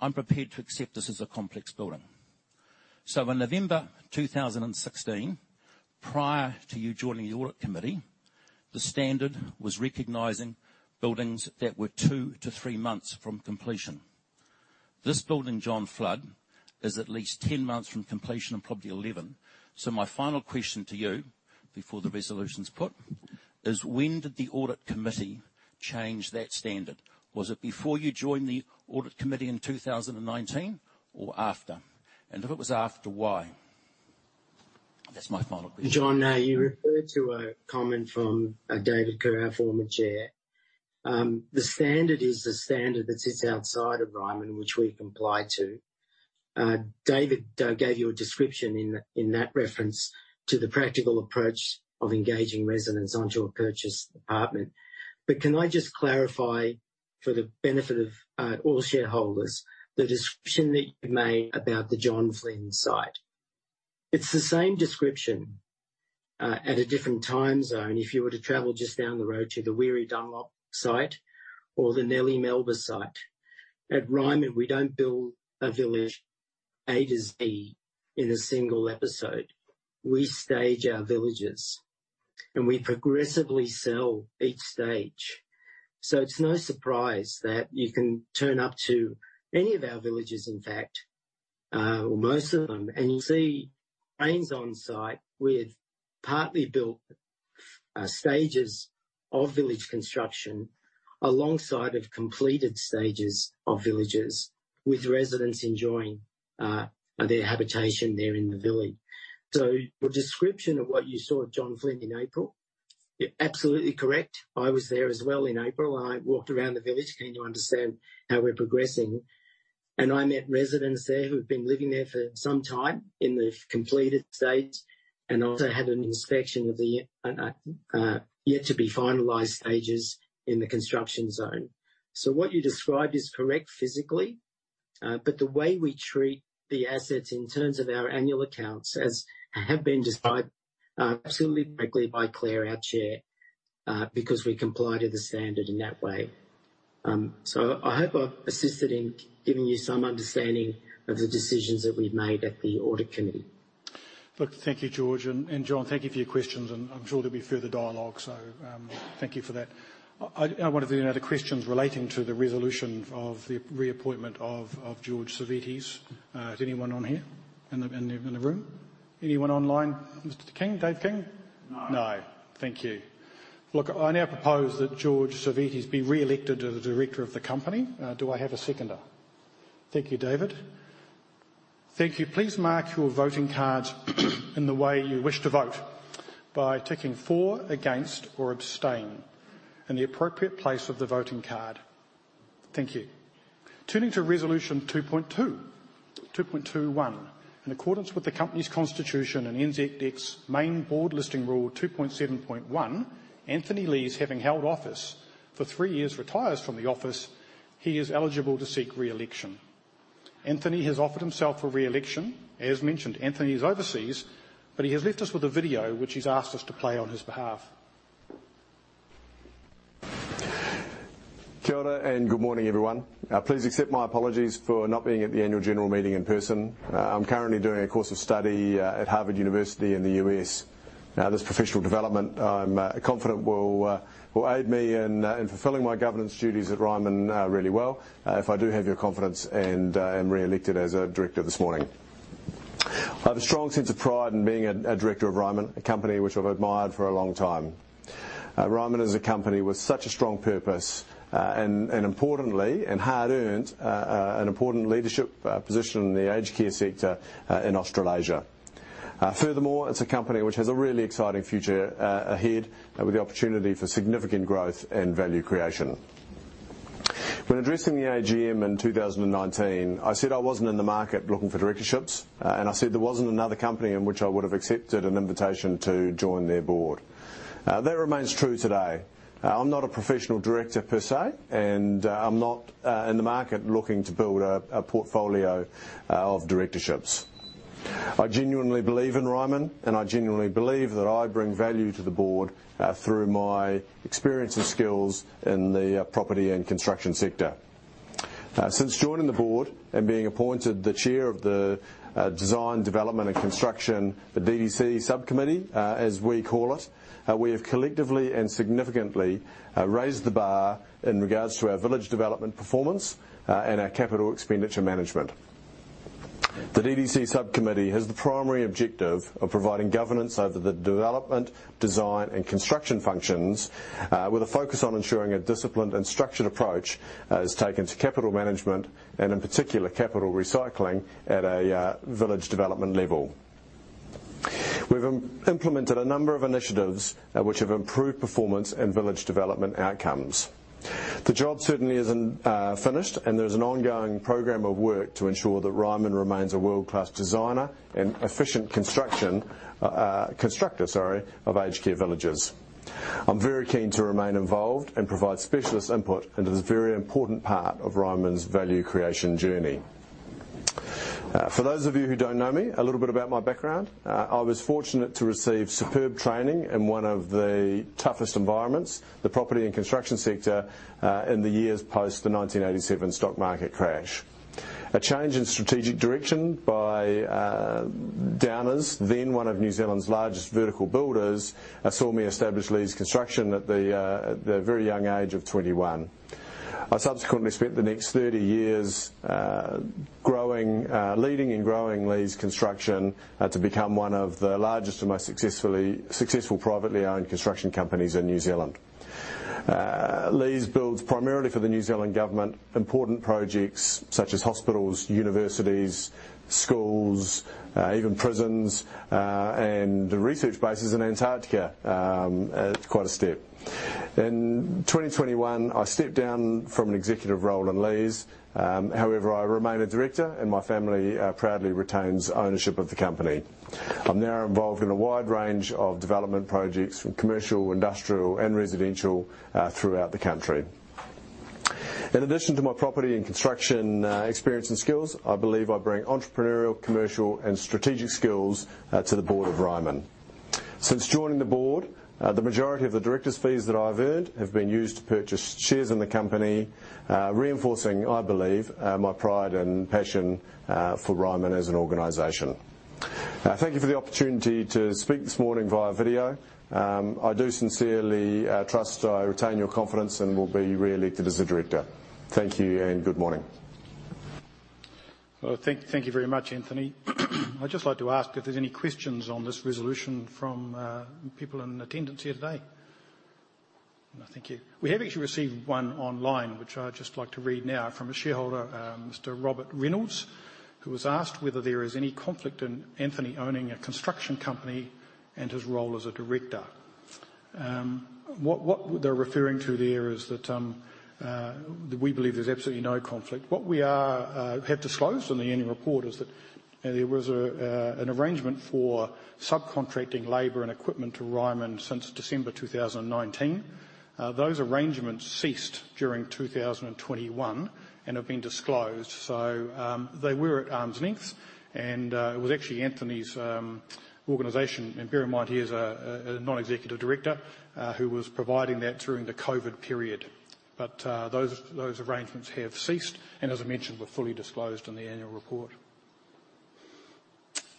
F: I'm prepared to accept this is a complex building. In November 2016, prior to you joining the audit committee, the standard was recognizing buildings that were two-three months from completion. This building, John Flynn, is at least 10 months from completion, and probably 11. My final question to you, before the resolution's put, is when did the audit committee change that standard? Was it before you joined the audit committee in 2019 or after? If it was after, why? That's my final question.
E: John, now you referred to a comment from David Kerr, our former chair. The standard is the standard that sits outside of Ryman, which we comply to. David gave you a description in that reference to the practical approach of engaging residents onto a purchased apartment. Can I just clarify for the benefit of all shareholders the description that you made about the John Flynn site. It's the same description at a different time zone if you were to travel just down the road to the Weary Dunlop site or the Nellie Melba site. At Ryman, we don't build a village A to Z in a single episode. We stage our villages, and we progressively sell each stage. It's no surprise that you can turn up to any of our villages, in fact, or most of them, and you'll see cranes on site with partly built stages of village construction alongside of completed stages of villages with residents enjoying their habitation there in the village. Your description of what you saw at John Flynn in April, you're absolutely correct. I was there as well in April, and I walked around the village, came to understand how we're progressing. I met residents there who have been living there for some time in the completed stage, and also had an inspection of the yet to be finalized stages in the construction zone. What you described is correct physically, but the way we treat the assets in terms of our annual accounts, as have been described, absolutely correctly by Claire, our Chair, because we comply to the standard in that way. I hope I've assisted in giving you some understanding of the decisions that we've made at the audit committee.
A: Look, thank you, George. John, thank you for your questions, and I'm sure there'll be further dialogue. Thank you for that. I wonder if there are other questions relating to the resolution of the reappointment of George Savvides. Is anyone on here in the room? Anyone online, Mr. King, David King?
H: No.
A: No. Thank you. Look, I now propose that George Savvides be reelected as a director of the company. Do I have a seconder? Thank you, David. Thank you. Please mark your voting cards in the way you wish to vote by ticking for, against, or abstain in the appropriate place of the voting card. Thank you. Turning to resolution 2.2, 2.1. In accordance with the company's constitution and NZX's Main Board Listing Rule 2.7.1, Anthony Leighs, having held office for three years, retires from the office. He is eligible to seek reelection. Anthony has offered himself for reelection. As mentioned, Anthony is overseas, but he has left us with a video which he's asked us to play on his behalf.
I: Kia ora and good morning, everyone. Please accept my apologies for not being at the annual general meeting in person. I'm currently doing a course of study at Harvard University in the U.S. Now, this professional development, I'm confident will aid me in fulfilling my governance duties at Ryman really well, if I do have your confidence and am reelected as a director this morning. I have a strong sense of pride in being a director of Ryman, a company which I've admired for a long time. Ryman is a company with such a strong purpose, and importantly and hard-earned an important leadership position in the aged care sector in Australasia. Furthermore, it's a company which has a really exciting future ahead with the opportunity for significant growth and value creation. When addressing the AGM in 2019, I said I wasn't in the market looking for directorships, and I said there wasn't another company in which I would have accepted an invitation to join their board. That remains true today. I'm not a professional director per se, and I'm not in the market looking to build a portfolio of directorships. I genuinely believe in Ryman, and I genuinely believe that I bring value to the board through my experience and skills in the property and construction sector. Since joining the board and being appointed the chair of the Design, Development, and Construction, the DDC subcommittee, as we call it, we have collectively and significantly raised the bar in regards to our village development performance and our capital expenditure management. The DDC subcommittee has the primary objective of providing governance over the development, design, and construction functions with a focus on ensuring a disciplined and structured approach is taken to capital management and in particular, capital recycling at a village development level. We've implemented a number of initiatives which have improved performance and village development outcomes. The job certainly isn't finished, and there's an ongoing program of work to ensure that Ryman remains a world-class designer and efficient constructor of aged care villages. I'm very keen to remain involved and provide specialist input into this very important part of Ryman's value creation journey. For those of you who don't know me, a little bit about my background. I was fortunate to receive superb training in one of the toughest environments, the property and construction sector, in the years post the 1987 stock market crash. A change in strategic direction by Downer, then one of New Zealand's largest vertical builders, saw me establish Leighs Construction at the very young age of 21. I subsequently spent the next 30 years leading and growing Leighs Construction to become one of the largest and most successful privately-owned construction companies in New Zealand. Leighs builds primarily for the New Zealand government, important projects such as hospitals, universities, schools, even prisons, and research bases in Antarctica. It's quite a step. In 2021, I stepped down from an executive role in Leighs. However, I remain a director, and my family proudly retains ownership of the company. I'm now involved in a wide range of development projects from commercial, industrial, and residential, throughout the country. In addition to my property and construction experience and skills, I believe I bring entrepreneurial, commercial, and strategic skills, to the board of Ryman. Since joining the board, the majority of the directors' fees that I've earned have been used to purchase shares in the company, reinforcing, I believe, my pride and passion for Ryman as an organization. Thank you for the opportunity to speak this morning via video. I do sincerely trust I retain your confidence and will be reelected as a director. Thank you, and good morning.
A: Well, thank you very much, Anthony. I'd just like to ask if there's any questions on this resolution from people in attendance here today. No, thank you. We have actually received one online, which I'd just like to read now from a shareholder, Mr. Robert Reynolds, who has asked whether there is any conflict in Anthony owning a construction company and his role as a director. What they're referring to there is that we believe there's absolutely no conflict. What we are have disclosed in the annual report is that there was an arrangement for subcontracting labor and equipment to Ryman since December 2019. Those arrangements ceased during 2021 and have been disclosed. They were at arm's length, and it was actually Anthony's organization. Bear in mind, he is a non-executive director who was providing that during the COVID period. Those arrangements have ceased and as I mentioned, were fully disclosed in the annual report.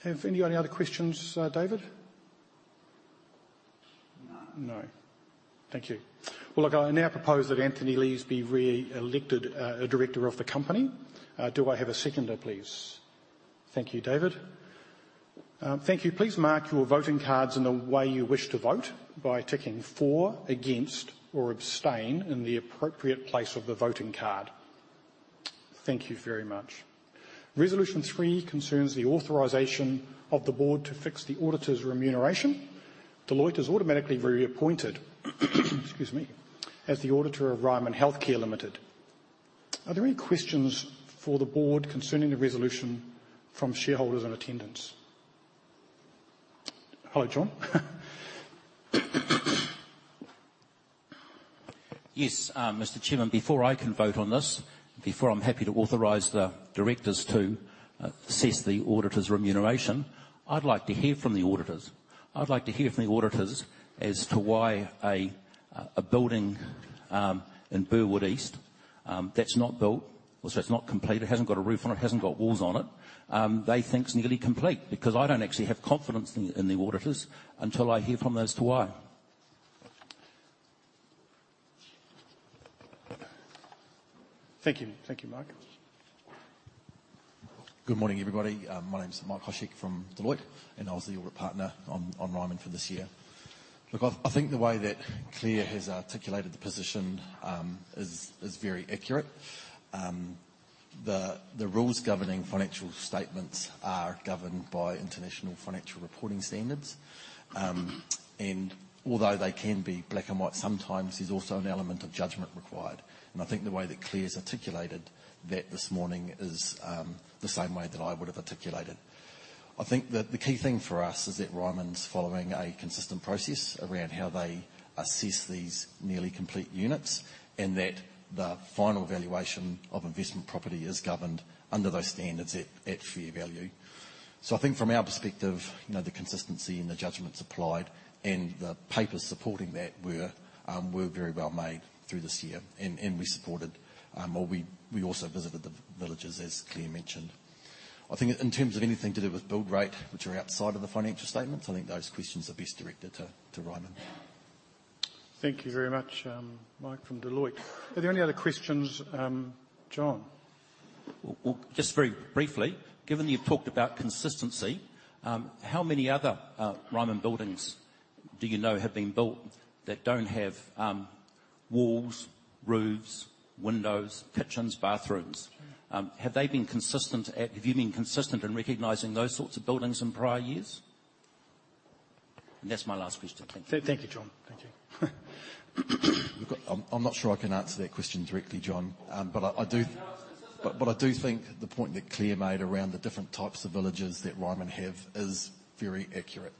A: Have any other questions, David?
H: No.
A: No. Thank you. Well, look, I now propose that Anthony Leighs be reelected a director of the company. Do I have a seconder, please? Thank you, David. Thank you. Please mark your voting cards in the way you wish to vote by ticking for, against, or abstain in the appropriate place of the voting card. Thank you very much. Resolution 3 concerns the authorization of the board to fix the auditor's remuneration. Deloitte is automatically reappointed, excuse me, as the auditor of Ryman Healthcare Limited. Are there any questions for the board concerning the resolution from shareholders in attendance? Hello, John.
F: Yes. Mr Chairman, before I can vote on this, before I'm happy to authorize the directors to assess the auditor's remuneration, I'd like to hear from the auditors. I'd like to hear from the auditors as to why a building in Burwood East that's not built or so it's not complete, it hasn't got a roof on it hasn't got walls on it, they think's nearly complete because I don't actually have confidence in the auditors until I hear from them as to why.
J: Good morning, everybody. My name is Mark Hoshek from Deloitte, and I was the audit partner on Ryman for this year. Look, I think the way that Claire has articulated the position is very accurate. The rules governing financial statements are governed by international financial reporting standards. Although they can be black and white, sometimes there's also an element of judgment required. I think the way that Claire's articulated that this morning is the same way that I would have articulated. I think that the key thing for us is that Ryman's following a consistent process around how they assess these nearly-complete units and that the final valuation of investment property is governed under those standards at fair value. I think from our perspective, you know, the consistency and the judgments applied and the papers supporting that were very well made through this year, and we supported or we also visited the villages, as Claire mentioned. I think in terms of anything to do with build rate, which are outside of the financial statements, I think those questions are best directed to Ryman.
A: Thank you very much, Mike from Deloitte. Are there any other questions, John?
F: Well, just very briefly, given that you've talked about consistency, how many other Ryman buildings do you know have been built that don't have walls, roofs, windows, kitchens, bathrooms? Have they been consistent? Have you been consistent in recognizing those sorts of buildings in prior years? That's my last question. Thank you.
J: Look, I'm not sure I can answer that question directly, John. I do think the point that Claire made around the different types of villages that Ryman have is very accurate.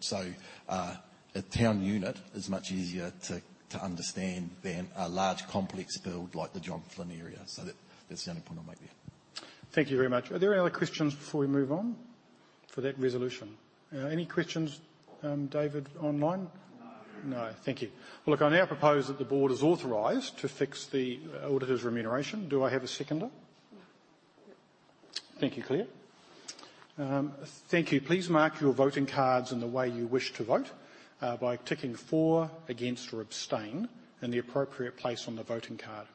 J: A town unit is much easier to understand than a large complex build like the John Flynn area. That's the only point I'll make there.
A: Thank you very much. Are there any other questions before we move on for that resolution? Any questions, David, online? No. Thank you. Look, I now propose that the board is authorized to fix the auditor's remuneration. Do I have a seconder? Thank you, Claire. Thank you. Please mark your voting cards in the way you wish to vote, by ticking for, against, or abstain in the appropriate place on the voting card.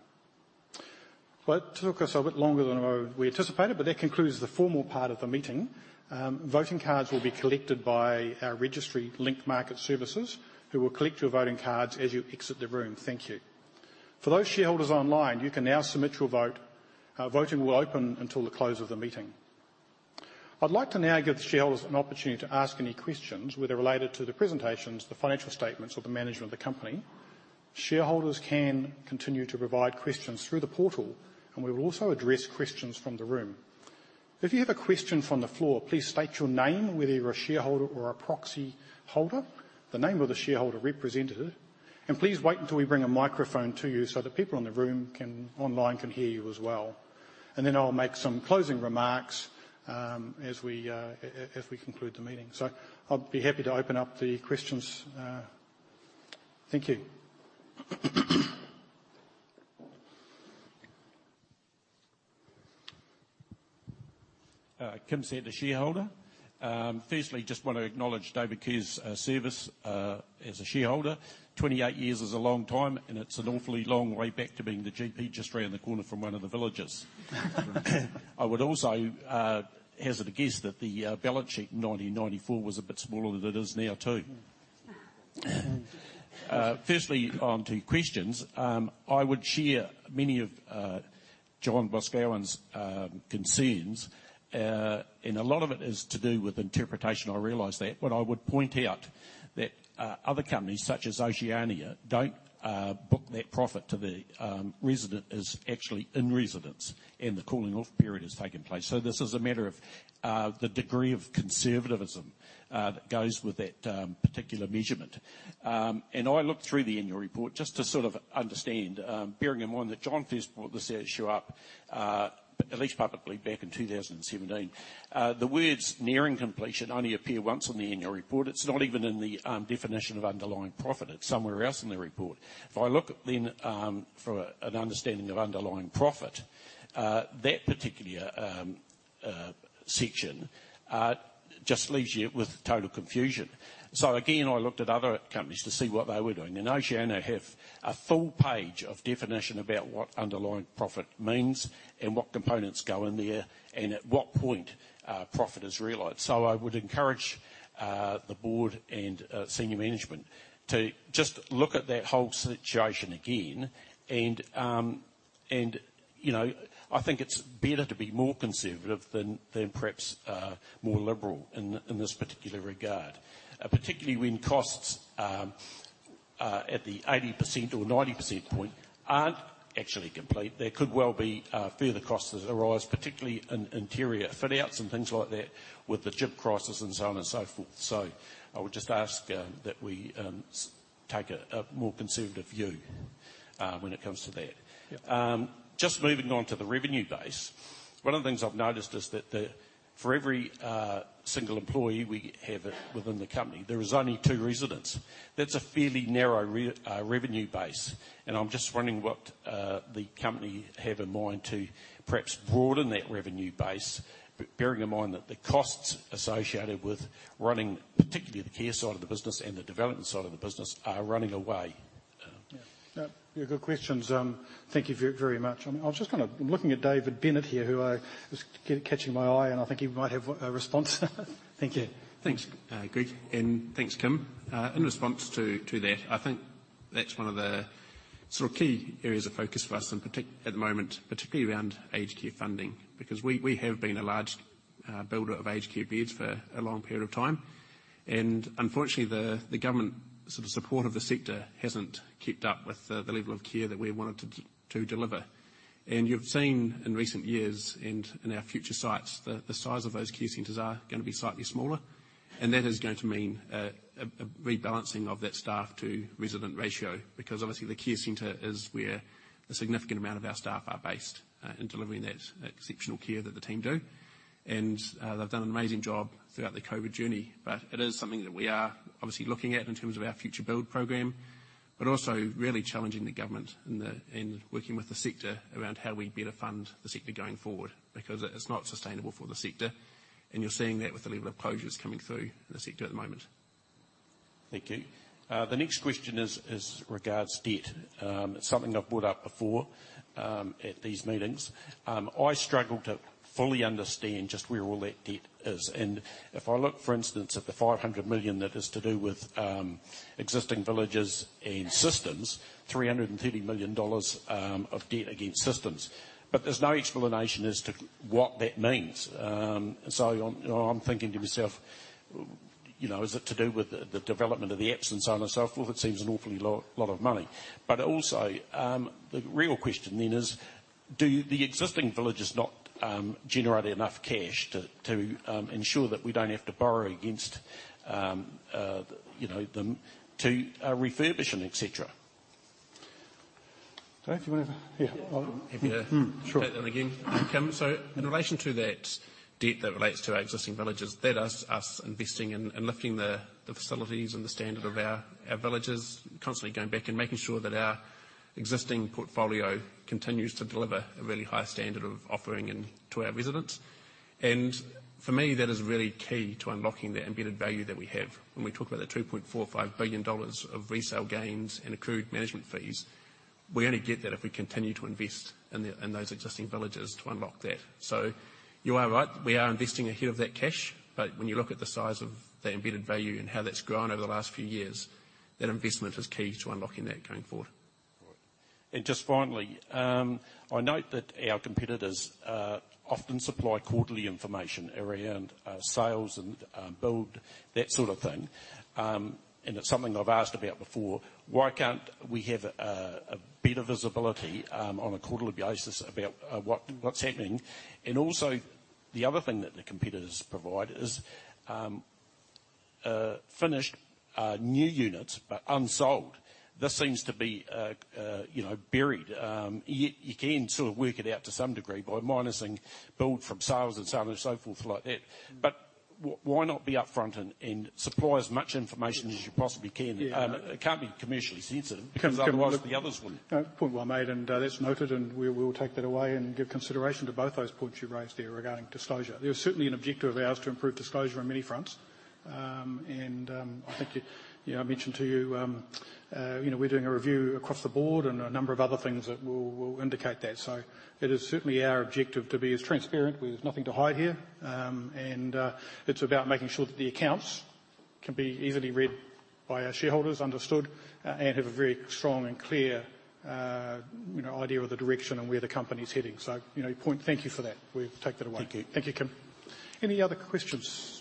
A: Well, it took us a bit longer than we anticipated, but that concludes the formal part of the meeting. Voting cards will be collected by our registry, Link Market Services, who will collect your voting cards as you exit the room. Thank you. For those shareholders online, you can now submit your vote. Voting will open until the close of the meeting. I'd like to now give the shareholders an opportunity to ask any questions, whether related to the presentations, the financial statements or the management of the company. Shareholders can continue to provide questions through the portal, and we will also address questions from the room. If you have a question from the floor, please state your name, whether you're a shareholder or a proxy holder, the name of the shareholder representative, and please wait until we bring a microphone to you so that people in the room and online can hear you as well. Then I'll make some closing remarks as we conclude the meeting. I'd be happy to open up the questions. Thank you.
K: Kim Santer, shareholder. Firstly, just want to acknowledge David Kerr's service as a shareholder. 28 years is a long time, and it's an awfully long way back to being the GP just around the corner from one of the villages. I would also hazard a guess that the balance sheet in 1994 was a bit smaller than it is now, too. Firstly, on to questions. I would share many of John Boscawen's concerns. A lot of it is to do with interpretation, I realize that. I would point out that other companies such as Oceania don't book that profit till the resident is actually in residence and the cooling off period has taken place. This is a matter of the degree of conservatism that goes with that particular measurement. I looked through the annual report just to sort of understand bearing in mind that John first brought this issue up at least publicly back in 2017. The words nearing completion only appear once on the annual report. It's not even in the definition of underlying profit. It's somewhere else in the report. If I look then for an understanding of underlying profit, that particular section just leaves you with total confusion. Again, I looked at other companies to see what they were doing, and Oceania have a full page of definition about what underlying profit means and what components go in there and at what point profit is realized. I would encourage the board and senior management to just look at that whole situation again and, you know, I think it's better to be more conservative than perhaps more liberal in this particular regard. Particularly when costs are at the 80% or 90% point aren't actually complete. There could well be further costs that arise, particularly in interior fit outs and things like that with the chip crisis and so on and so forth. I would just ask that we take a more conservative view when it comes to that. Just moving on to the revenue base. One of the things I've noticed is that for every single employee we have within the company, there is only two residents. That's a fairly narrow revenue base, and I'm just wondering what the company have in mind to perhaps broaden that revenue base, bearing in mind that the costs associated with running, particularly the care side of the business and the development side of the business are running away.
A: Yeah, good questions. Thank you very much. I'm looking at David Bennett here, who is catching my eye, and I think he might have a response. Thank you.
B: Thanks, Greg, and thanks, Kim. In response to that, I think that's one of the sort of key areas of focus for us at the moment, particularly around aged care funding. Because we have been a large builder of aged care beds for a long period of time, and unfortunately the government sort of support of the sector hasn't kept up with the level of care that we wanted to deliver. You've seen in recent years and in our future sites that the size of those care centers are gonna be slightly smaller. That is going to mean a rebalancing of that staff to resident ratio, because obviously the care center is where the significant amount of our staff are based in delivering that exceptional care that the team do. They've done an amazing job throughout the COVID journey. It is something that we are obviously looking at in terms of our future build program, but also really challenging the government in working with the sector around how we better fund the sector going forward because it's not sustainable for the sector, and you're seeing that with the level of closures coming through the sector at the moment.
K: Thank you. The next question is regarding debt. Something I've brought up before at these meetings. I struggle to fully understand just where all that debt is. If I look, for instance, at the 500 million that is to do with existing villages and systems, 330 million dollars of debt against systems. There's no explanation as to what that means. I'm, you know, I'm thinking to myself, you know, is it to do with the development of the apps and so on and so forth? It seems an awfully lot of money. The real question then is, do the existing villages not generate enough cash to ensure that we don't have to borrow against them to refurbishing, et cetera?
B: Take that again. Thank you. In relation to that debt that relates to our existing villages, that is us investing in lifting the facilities and the standard of our villages, constantly going back and making sure that our existing portfolio continues to deliver a really high standard of offering to our residents. For me, that is really key to unlocking the embedded value that we have. When we talk about the 2.45 billion dollars of resale gains and accrued management fees, we only get that if we continue to invest in those existing villages to unlock that. You are right, we are investing ahead of that cash. When you look at the size of that embedded value and how that's grown over the last few years, that investment is key to unlocking that going forward.
K: Right. Just finally, I note that our competitors often supply quarterly information around sales and build, that sort of thing. It's something I've asked about before. Why can't we have a better visibility on a quarterly basis about what's happening? Also the other thing that the competitors provide is finished new units but unsold. This seems to be, you know, buried. You can sort of work it out to some degree by minusing build from sales and so on and so forth like that. Why not be upfront and supply as much information as you possibly can? It can't be commercially sensitive. Because otherwise the others wouldn't.
A: No, point well made, and that's noted, and we'll take that away and give consideration to both those points you've raised there regarding disclosure. They are certainly an objective of ours to improve disclosure on many fronts. I think you know, I mentioned to you know, we're doing a review across the board and a number of other things that we'll indicate that. It is certainly our objective to be as transparent. We've nothing to hide here. It's about making sure that the accounts can be easily read by our shareholders, understood, and have a very strong and clear, you know, idea of the direction and where the company's heading. You know, your point, thank you for that. We'll take that away. Thank you, Kim. Any other questions?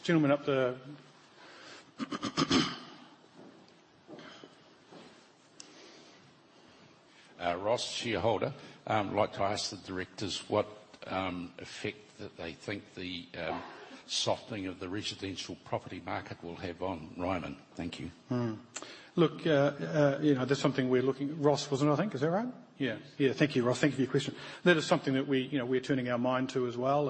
L: Ross, shareholder. Like to ask the directors what effect that they think the softening of the residential property market will have on Ryman. Thank you.
A: Look, you know, that's something we're looking Ross, was it, I think? Is that right?
L: Yeah.
A: Yeah. Thank you, Ross. Thank you for your question. That is something that we, you know, we're turning our mind to as well.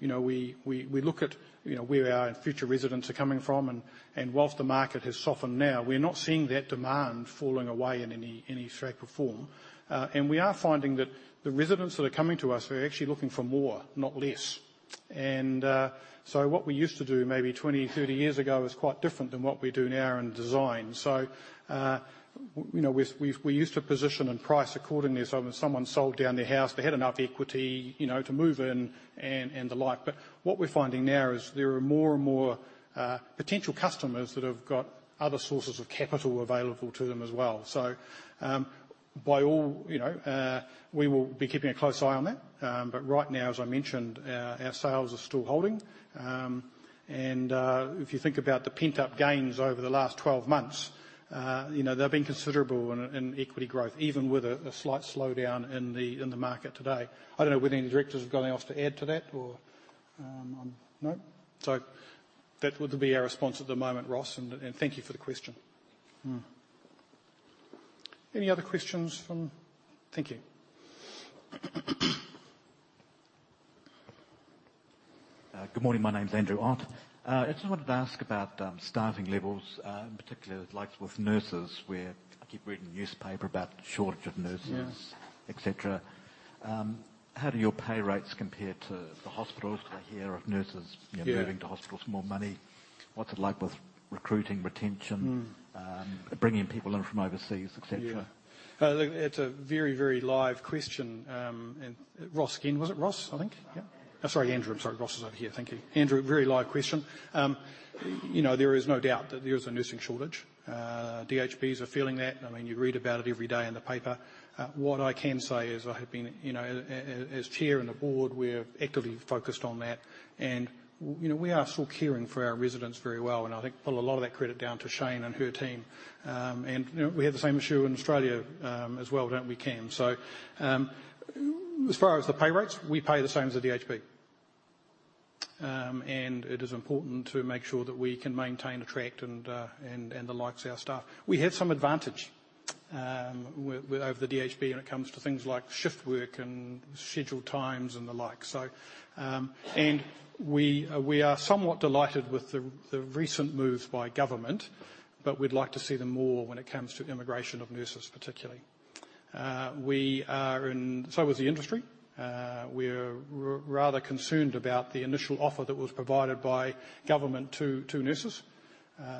A: You know, we look at, you know, where our future residents are coming from and while the market has softened now, we're not seeing that demand falling away in any shape or form. We are finding that the residents that are coming to us are actually looking for more, not less. What we used to do maybe 20, 30 years ago is quite different than what we do now in design. You know, we used to position and price accordingly. When someone sold down their house, they had enough equity, you know, to move in and the like. What we're finding now is there are more and more potential customers that have got other sources of capital available to them as well. By all, you know, we will be keeping a close eye on that. Right now, as I mentioned, our sales are still holding. If you think about the pent-up gains over the last 12 months, you know, they've been considerable in equity growth, even with a slight slowdown in the market today. I don't know whether any directors have got anything else to add to that or— No? That would be our response at the moment, Ross, and thank you for the question. Any other questions. Thank you.
M: Good morning. My name's Andrew Ott. I just wanted to ask about staffing levels, in particular the likes of nurses where I keep reading newspaper about shortage of nurses, et cetera. How do your pay rates compare to the hospitals? I hear of nurses, you know, moving to hospitals for more money. What's it like with recruiting, retention, bringing people in from overseas, et cetera?
A: Look, it's a very, very live question. Ross again, was it Ross, I think? Oh, sorry, Andrew. I'm sorry. Ross is over here. Thank you. Andrew, very live question. You know, there is no doubt that there is a nursing shortage. DHBs are feeling that. I mean, you read about it every day in the paper. What I can say is I have been, you know, as Chair and the Board, we're actively focused on that. You know, we are still caring for our residents very well, and I think put a lot of that credit down to Shane and her team. You know, we have the same issue in Australia, as well, don't we, Cam? As far as the pay rates, we pay the same as the DHB, and it is important to make sure that we can maintain, attract, and [retain] our staff. We have some advantage over the DHB when it comes to things like shift work and scheduled times and the like. We are somewhat delighted with the recent moves by government, but we'd like to see them more when it comes to immigration of nurses particularly. As the industry, we're rather concerned about the initial offer that was provided by government to nurses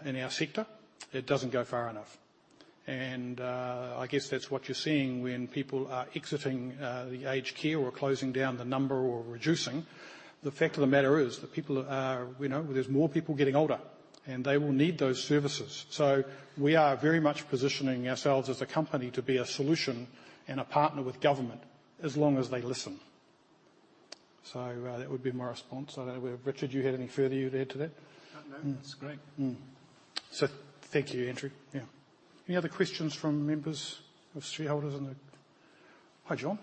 A: in our sector. It doesn't go far enough. I guess that's what you're seeing when people are exiting the aged care or closing down the number or reducing. The fact of the matter is that people are, you know, there's more people getting older, and they will need those services. We are very much positioning ourselves as a company to be a solution and a partner with government, as long as they listen. That would be my response. I don't know whether, Richard, you had any further you'd add to that.
C: No. That's great.
A: Thank you, Andrew. Yeah. Any other questions from members or shareholders in the Hi, John.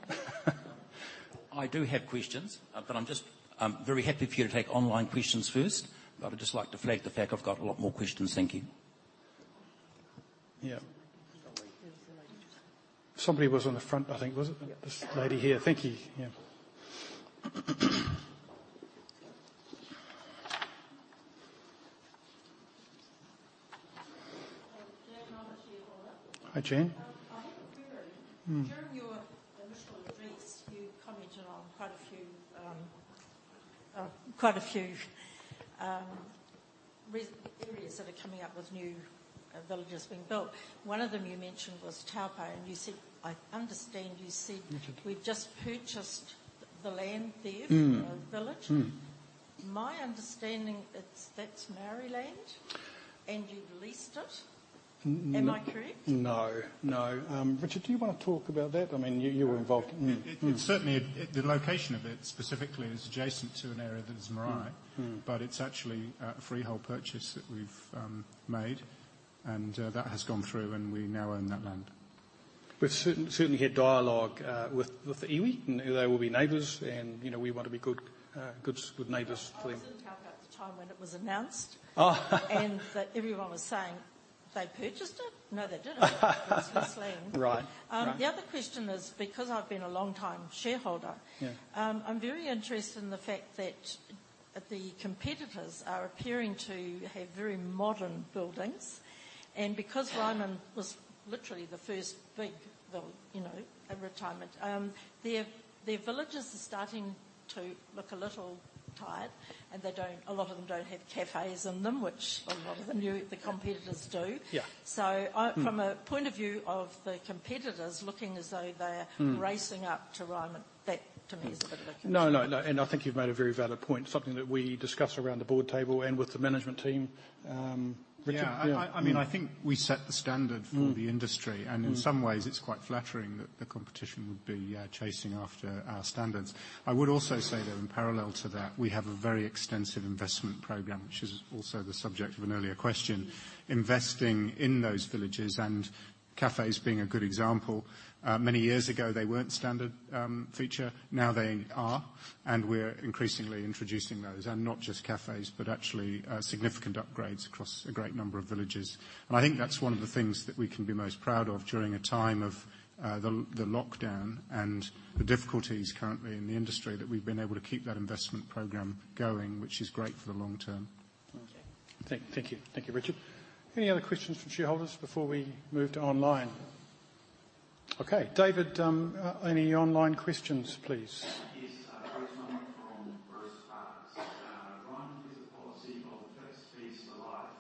F: I do have questions, but I'm just very happy for you to take online questions first. I'd just like to flag the fact I've got a lot more questions. Thank you.
A: Yeah.
N: Jane Roberts, Shareholder.
A: Hi, Jane.
N: During your initial address, you commented on quite a few areas that are coming up with new villages being built. One of them you mentioned was Taupō, and you said. I understand you said, We've just purchased the land there, for a village. My understanding, that's Māori land, and you've leased it. Am I correct?
A: No. Richard, do you wanna talk about that? I mean, you were involved.
C: Certainly. The location of it specifically is adjacent to an area that is Māori. But it's actually a freehold purchase that we've made, and that has gone through, and we now own that land.
A: We've certainly had dialogue with the iwi, and they will be neighbors, you know, we want to be good neighbors with—
N: I was in Taupō at the time when it was announced. Then everyone was saying, "They purchased it?" No, they didn't. It was leased land. The other question is, because I've been a longtime shareholder. I'm very interested in the fact that the competitors are appearing to have very modern buildings. Because Ryman was literally the first big, you know, a retirement, their villages are starting to look a little tired, and a lot of them don't have cafes in them, which a lot of the new competitors do. So from a point of view of the competitors looking as though they're racing up to Ryman, that to me is a bit of a concern.
A: No, no. I think you've made a very valid point, something that we discuss around the board table and with the management team.
C: Yeah. I mean, I think we set the standard for the industry. In some ways, it's quite flattering that the competition would be chasing after our standards. I would also say, though, in parallel to that, we have a very extensive investment program, which is also the subject of an earlier question, investing in those villages and cafes being a good example. Many years ago, they weren't standard feature. Now they are, and we're increasingly introducing those. Not just cafes, but actually significant upgrades across a great number of villages. I think that's one of the things that we can be most proud of during a time of the lockdown and the difficulties currently in the industry, that we've been able to keep that investment program going, which is great for the long term.
A: Thank you, Richard. Any other questions from shareholders before we move to online? Okay. David, any online questions, please?
H: Yes. First one from [Bruce Parks]. Ryman has a policy of fixed fees for life.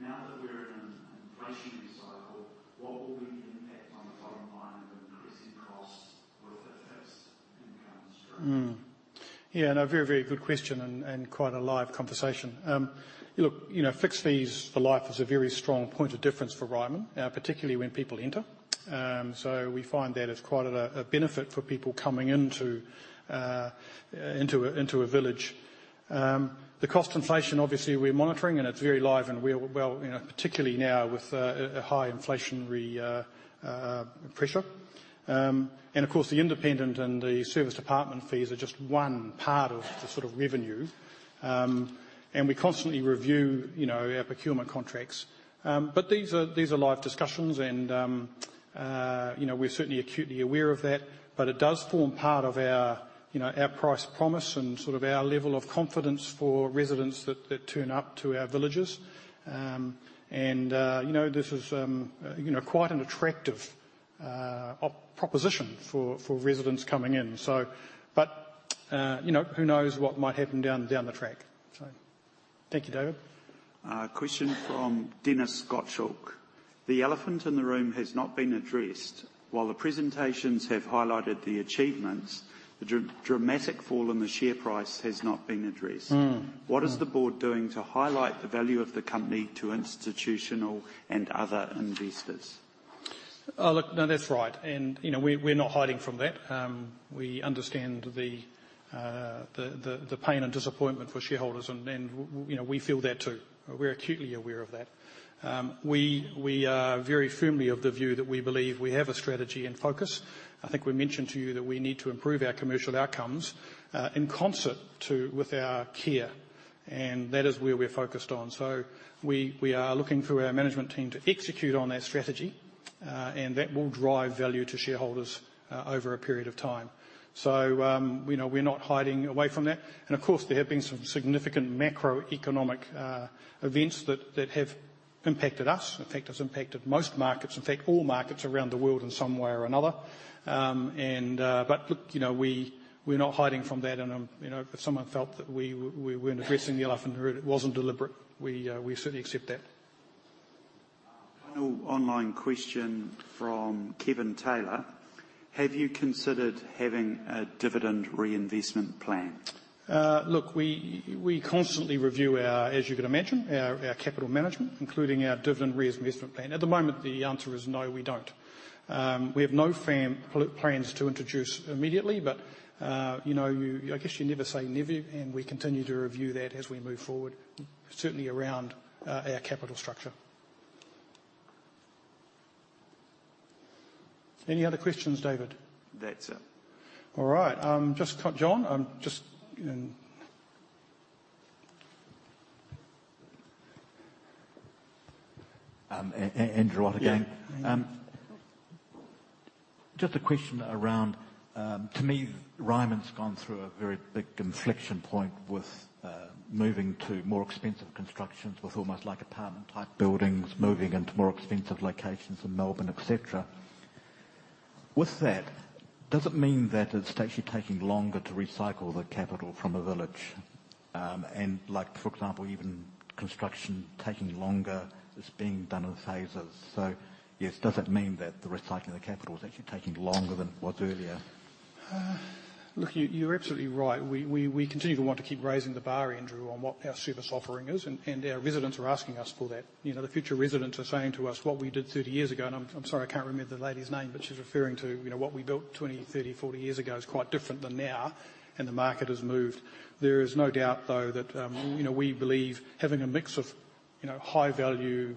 H: Now that we're in an inflation cycle, what will be the impact on the bottom line of increasing costs with [the fixed income stream?]
A: Yeah, a very, very good question and quite a live conversation. Look, you know, fixed fees for life is a very strong point of difference for Ryman, particularly when people enter. We find that as quite a benefit for people coming into a village. The cost inflation, obviously we're monitoring, and it's very live and real, well, you know, particularly now with a high inflationary pressure. Of course, the independent and the serviced apartment fees are just one part of the sort of revenue. We constantly review, you know, our procurement contracts. These are live discussions and, you know, we're certainly acutely aware of that. It does form part of our, you know, our price promise and sort of our level of confidence for residents that turn up to our villages. You know, this is, you know, quite an attractive proposition for residents coming in. You know, who knows what might happen down the track? Thank you, David.
H: Question from [Dennis Gottschalk]: The elephant in the room has not been addressed. While the presentations have highlighted the achievements, the dramatic fall in the share price has not been addressed. What is the board doing to highlight the value of the company to institutional and other investors?
A: Look, no, that's right. You know, we're not hiding from that. We understand the pain and disappointment for shareholders and we, you know, we feel that too. We're acutely aware of that. We are very firmly of the view that we believe we have a strategy and focus. I think we mentioned to you that we need to improve our commercial outcomes in concert with our care. That is where we're focused on. We are looking through our management team to execute on that strategy, and that will drive value to shareholders over a period of time. You know, we're not hiding away from that. Of course, there have been some significant macroeconomic events that have impacted us. In fact, it's impacted most markets, in fact, all markets around the world in some way or another. Look, you know, we're not hiding from that and, you know, if someone felt that we weren't addressing the elephant in the room, it wasn't deliberate. We certainly accept that.
H: One online question from [Kevin Taylor]: Have you considered having a dividend reinvestment plan?
A: Look, we constantly review our capital management, as you can imagine, including our dividend reinvestment plan. At the moment, the answer is no, we don't. We have no plans to introduce immediately, but you know, I guess you never say never, and we continue to review that as we move forward, certainly around our capital structure. Any other questions, David?
H: That's it.
A: All right. John, just in.
M: Andrew Ott again. Just a question around, to me, Ryman's gone through a very big inflection point with moving to more expensive constructions with almost like apartment-type buildings, moving into more expensive locations in Melbourne, et cetera. With that, does it mean that it's actually taking longer to recycle the capital from a village? And like for example, even construction taking longer, it's being done in phases. Yes, does it mean that the recycling of the capital is actually taking longer than it was earlier?
A: Look, you're absolutely right. We continue to want to keep raising the bar, Andrew, on what our service offering is, and our residents are asking us for that. You know, the future residents are saying to us what we did 30 years ago, and I'm sorry I can't remember the lady's name, but she's referring to, you know, what we built 20, 30, 40 years ago is quite different than now and the market has moved. There is no doubt though that, you know, we believe having a mix of, you know, high value,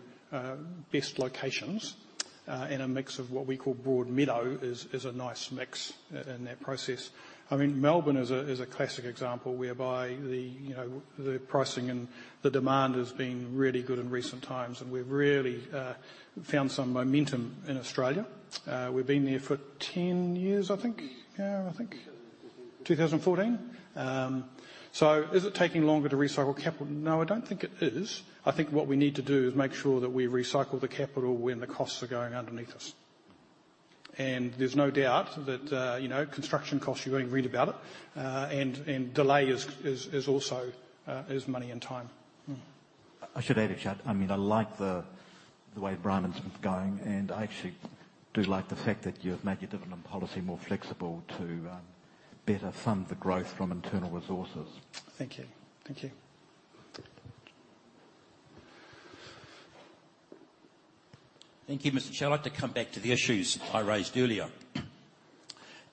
A: best locations, and a mix of what we call broad meadow is a nice mix in that process. I mean, Melbourne is a classic example whereby, you know, the pricing and the demand has been really good in recent times, and we've really found some momentum in Australia. We've been there for 10 years, I think. Yeah, I think, 2014? Is it taking longer to recycle capital? No, I don't think it is. I think what we need to do is make sure that we recycle the capital when the costs are going underneath us. There's no doubt that, you know, construction costs, you only read about it. Delay is also money and time.
M: I should add, Richard, I mean, I like the way Ryman's been going, and I actually do like the fact that you have made your dividend policy more flexible to better fund the growth from internal resources.
A: Thank you.
F: Thank you, Mr. Chair. I'd like to come back to the issues I raised earlier.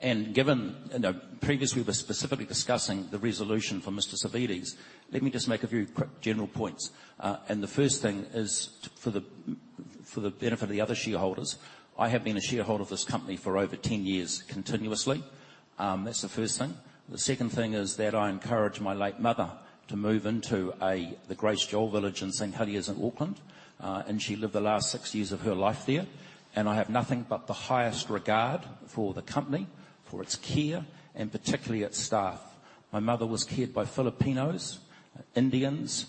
F: Given, you know, previously we were specifically discussing the resolution for Mr. Savvides, let me just make a few quick general points. The first thing is for the benefit of the other shareholders, I have been a shareholder of this company for over 10 years continuously. That's the first thing. The second thing is that I encouraged my late mother to move into the Grace Joel Village in St Heliers in Auckland, and she lived the last six years of her life there. I have nothing but the highest regard for the company, for its care, and particularly its staff. My mother was cared by Filipinos, Indians,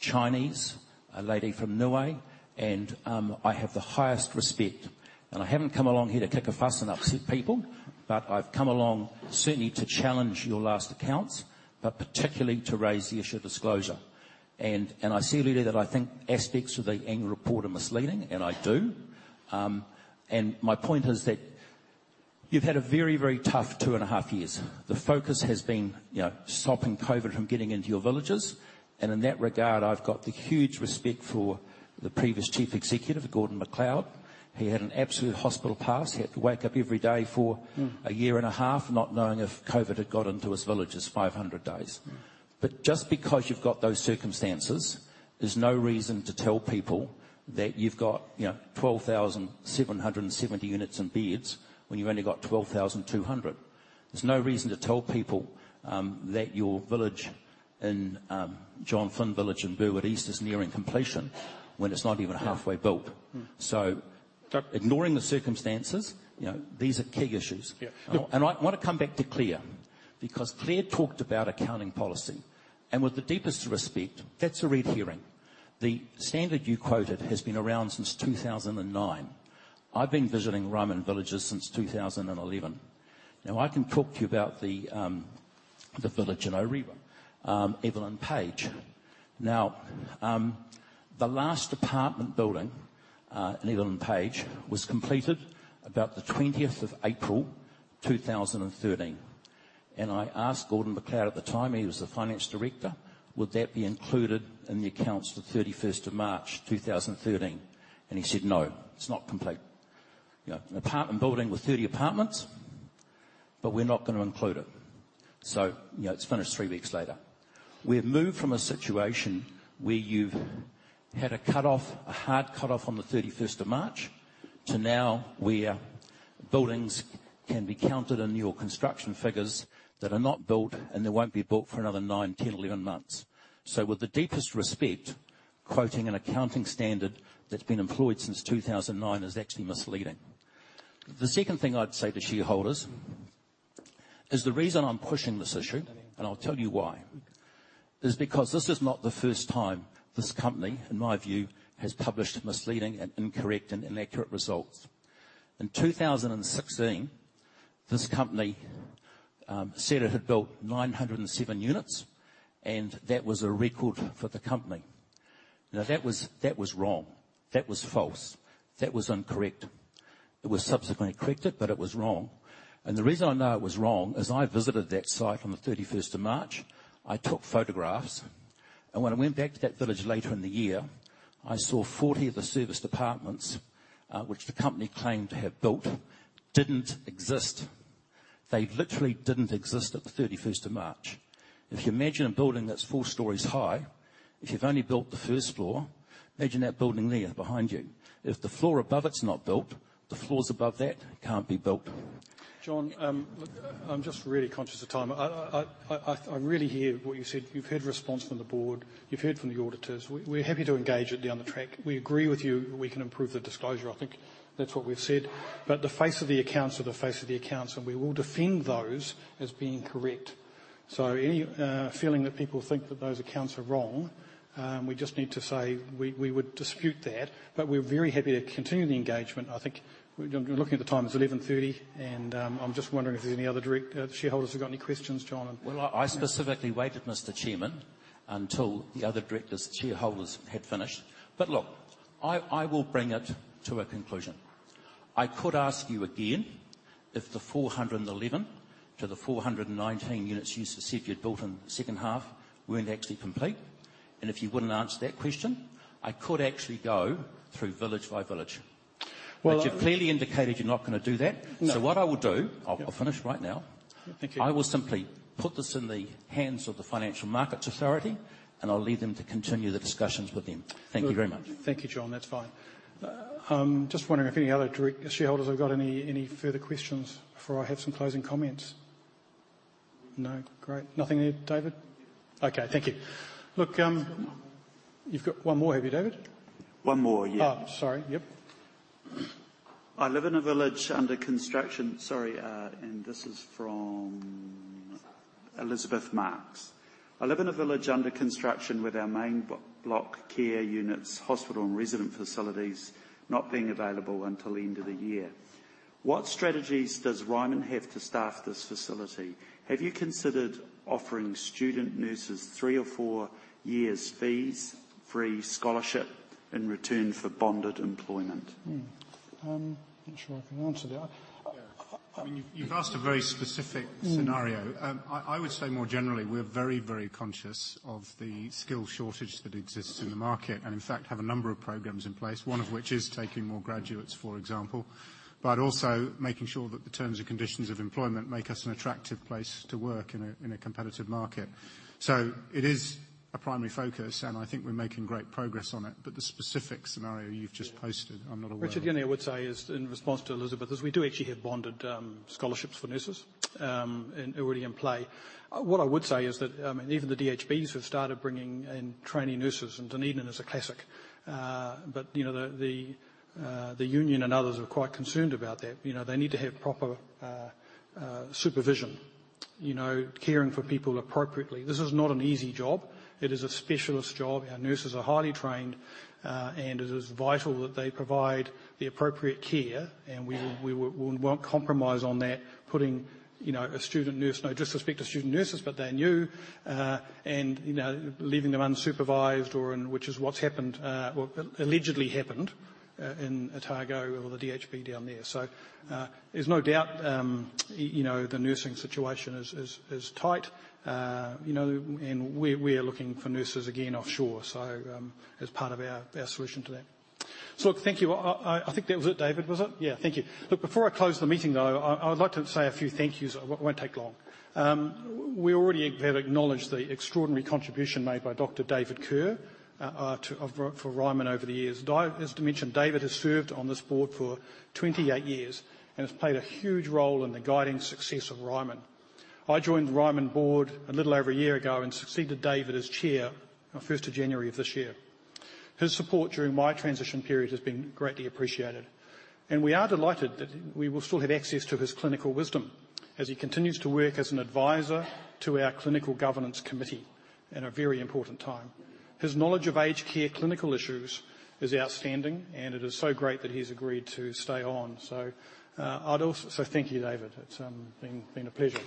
F: Chinese, a lady from Niue, and I have the highest respect. I haven't come along here to kick a fuss and upset people, but I've come along certainly to challenge your last accounts, but particularly to raise the issue of disclosure. I said earlier that I think aspects of the annual report are misleading, and I do. My point is that you've had a very, very tough two and a half years. The focus has been, you know, stopping COVID from getting into your villages, and in that regard, I've got the huge respect for the previous Chief Executive, Gordon MacLeod. He had an absolute hospital pass. He had to wake up every day for a year and a half not knowing if COVID had got into his villages 500 days. Just because you've got those circumstances is no reason to tell people that you've got, you know, 12,700 units and beds when you've only got 12,200. There's no reason to tell people that your village in John Flynn Village in Burwood East is nearing completion when it's not even halfway built. So ignoring the circumstances, you know, these are key issues. I want to come back to Claire because Claire talked about accounting policy. With the deepest respect, that's a red herring. The standard you quoted has been around since 2009. I've been visiting Ryman villages since 2011. Now, I can talk to you about the village in Orewa, Evelyn Page. Now, the last apartment building in Evelyn Page was completed about the 20th of April 2013. I asked Gordon MacLeod at the time, he was the finance director, would that be included in the accounts for 31st of March 2013? He said, "No, it's not complete." You know, an apartment building with 30 apartments, but we're not gonna include it. You know, it's finished three weeks later. We've moved from a situation where you've had a cut-off, a hard cut-off on the 31st of March to now where buildings can be counted in your construction figures that are not built, and they won't be built for another nine, 10, 11 months. With the deepest respect, quoting an accounting standard that's been employed since 2009 is actually misleading. The second thing I'd say to shareholders is the reason I'm pushing this issue, and I'll tell you why, is because this is not the first time this company, in my view, has published misleading and incorrect and inaccurate results. In 2016, this company said it had built 907 units, and that was a record for the company. Now, that was wrong. That was false. That was incorrect. It was subsequently corrected, but it was wrong. The reason I know it was wrong is I visited that site on the 31st of March. I took photographs, and when I went back to that village later in the year, I saw 40 of the serviced apartments, which the company claimed to have built, didn't exist. They literally didn't exist at the 31st of March. If you imagine a building that's four stories high, if you've only built the first floor, imagine that building there behind you. If the floor above it's not built, the floors above that can't be built.
A: John, look, I'm just really conscious of time. I really hear what you said. You've heard response from the board. You've heard from the auditors. We're happy to engage it down the track. We agree with you we can improve the disclosure. I think that's what we've said. The face of the accounts are the face of the accounts, and we will defend those as being correct. Any feeling that people think that those accounts are wrong, we just need to say we would dispute that. We're very happy to continue the engagement. I think looking at the time, it's 11:30, and I'm just wondering if there's any other shareholders who've got any questions, John.
F: Well, I specifically waited, Mr. Chairman, until the other directors, shareholders had finished. Look, I will bring it to a conclusion. I could ask you again if the 411-419 units you said you'd built in the second half weren't actually complete. If you wouldn't answer that question, I could actually go through village by village. You've clearly indicated you're not gonna do that. What I will do, I'll finish right now. I will simply put this in the hands of the Financial Markets Authority, and I'll leave them to continue the discussions with them. Thank you very much.
A: Thank you, John. That's fine. Just wondering if any other shareholders have got any further questions before I have some closing comments. No? Great. Nothing there, David? Okay, thank you. You've got one more, have you, David?
H: One more, yeah.
A: Oh, sorry. Yep.
H: I live in a village under construction." Sorry, this is from [Elizabeth Marks]. "I live in a village under construction with our main block care units, hospital and resident facilities not being available until the end of the year. What strategies does Ryman have to staff this facility? Have you considered offering student nurses three or four years fees-free scholarship in return for bonded employment?
A: Not sure I can answer that.
C: You've asked a very specific scenario. I would say more generally, we're very, very conscious of the skill shortage that exists in the market, and in fact, have a number of programs in place, one of which is taking more graduates, for example. also making sure that the terms and conditions of employment make us an attractive place to work in a, in a competitive market. it is a primary focus, and I think we're making great progress on it. the specific scenario you've just posted, I'm not aware of.
A: Richard, the only thing I would say is in response to Elizabeth, is we do actually have bonded scholarships for nurses already in play. What I would say is that, I mean, even the DHBs have started bringing in trainee nurses, and Dunedin is a classic. You know, the union and others are quite concerned about that. You know, they need to have proper supervision, you know, caring for people appropriately. This is not an easy job. It is a specialist job. Our nurses are highly trained, and it is vital that they provide the appropriate care, and we will, we won't compromise on that, putting, you know, a student nurse. No disrespect to student nurses, but they're new, and you know, leaving them unsupervised, which is what's happened, or allegedly happened, in Otago or the DHB down there. There's no doubt, you know, the nursing situation is tight. You know, and we are looking for nurses again offshore, as part of our solution to that. Look, thank you. I think that was it, David, was it? Yeah. Thank you. Look, before I close the meeting, though, I would like to say a few thank yous. It won't take long. We already have acknowledged the extraordinary contribution made by Dr. David Kerr to Ryman over the years. As mentioned, David has served on this board for 28 years and has played a huge role in the guiding success of Ryman. I joined the Ryman board a little over a year ago and succeeded David as chair on the first of January of this year. His support during my transition period has been greatly appreciated, and we are delighted that we will still have access to his clinical wisdom as he continues to work as an advisor to our Clinical Governance Committee in a very important time. His knowledge of aged care clinical issues is outstanding, and it is so great that he's agreed to stay on. Thank you, David. It's been a pleasure.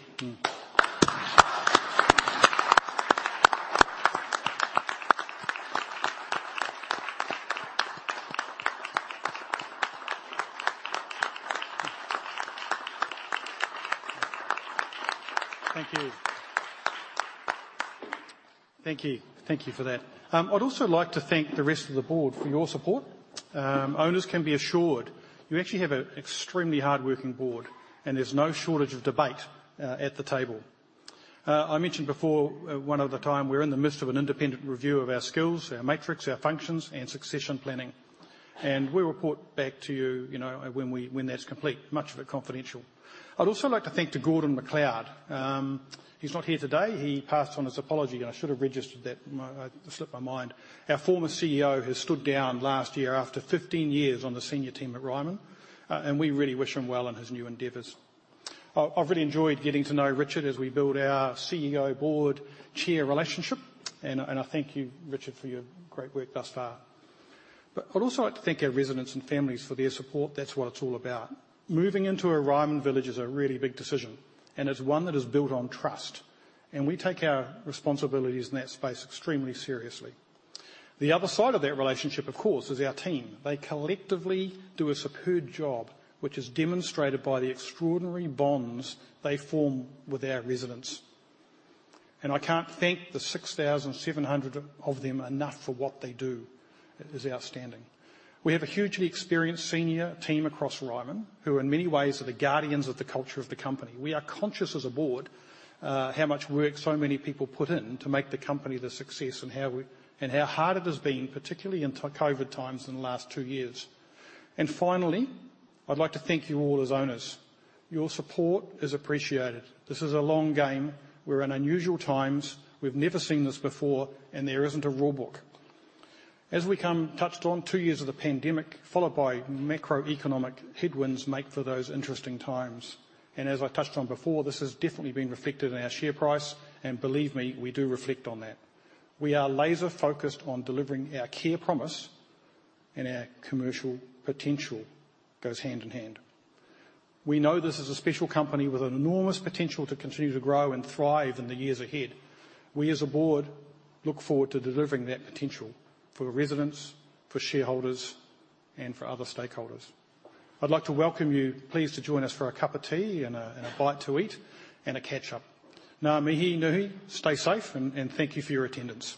A: Thank you for that. I'd also like to thank the rest of the board for your support. Owners can be assured you actually have an extremely hardworking board, and there's no shortage of debate at the table. I mentioned before, one at a time, we're in the midst of an independent review of our skills, our matrix, our functions and succession planning. We'll report back to you know, when that's complete, much of it confidential. I'd also like to thank to Gordon MacLeod. He's not here today. He passed on his apology, and I should have registered that, it slipped my mind. Our former CEO has stood down last year after 15 years on the senior team at Ryman, and we really wish him well in his new endeavors. I've really enjoyed getting to know Richard as we build our CEO, board, chair relationship, and I thank you, Richard, for your great work thus far. I'd also like to thank our residents and families for their support. That's what it's all about. Moving into a Ryman village is a really big decision, and it's one that is built on trust, and we take our responsibilities in that space extremely seriously. The other side of that relationship, of course, is our team. They collectively do a superb job, which is demonstrated by the extraordinary bonds they form with our residents. I can't thank the 6,700 of them enough for what they do. It is outstanding. We have a hugely experienced senior team across Ryman, who in many ways are the guardians of the culture of the company. We are conscious as a board how much work so many people put in to make the company the success and how hard it has been, particularly in COVID times in the last two years. Finally, I'd like to thank you all as owners. Your support is appreciated. This is a long game. We're in unusual times. We've never seen this before, and there isn't a rule book. As we've touched on, two years of the pandemic, followed by macroeconomic headwinds make for those interesting times. As I've touched on before, this has definitely been reflected in our share price, and believe me, we do reflect on that. We are laser-focused on delivering our care promise, and our commercial potential goes hand in hand. We know this is a special company with an enormous potential to continue to grow and thrive in the years ahead. We, as a board, look forward to delivering that potential for residents, for shareholders, and for other stakeholders. I'd like to welcome you. Pleased to join us for a cup of tea and a bite to eat and a catch-up. Ngā mihi nui, stay safe, and thank you for your attendance.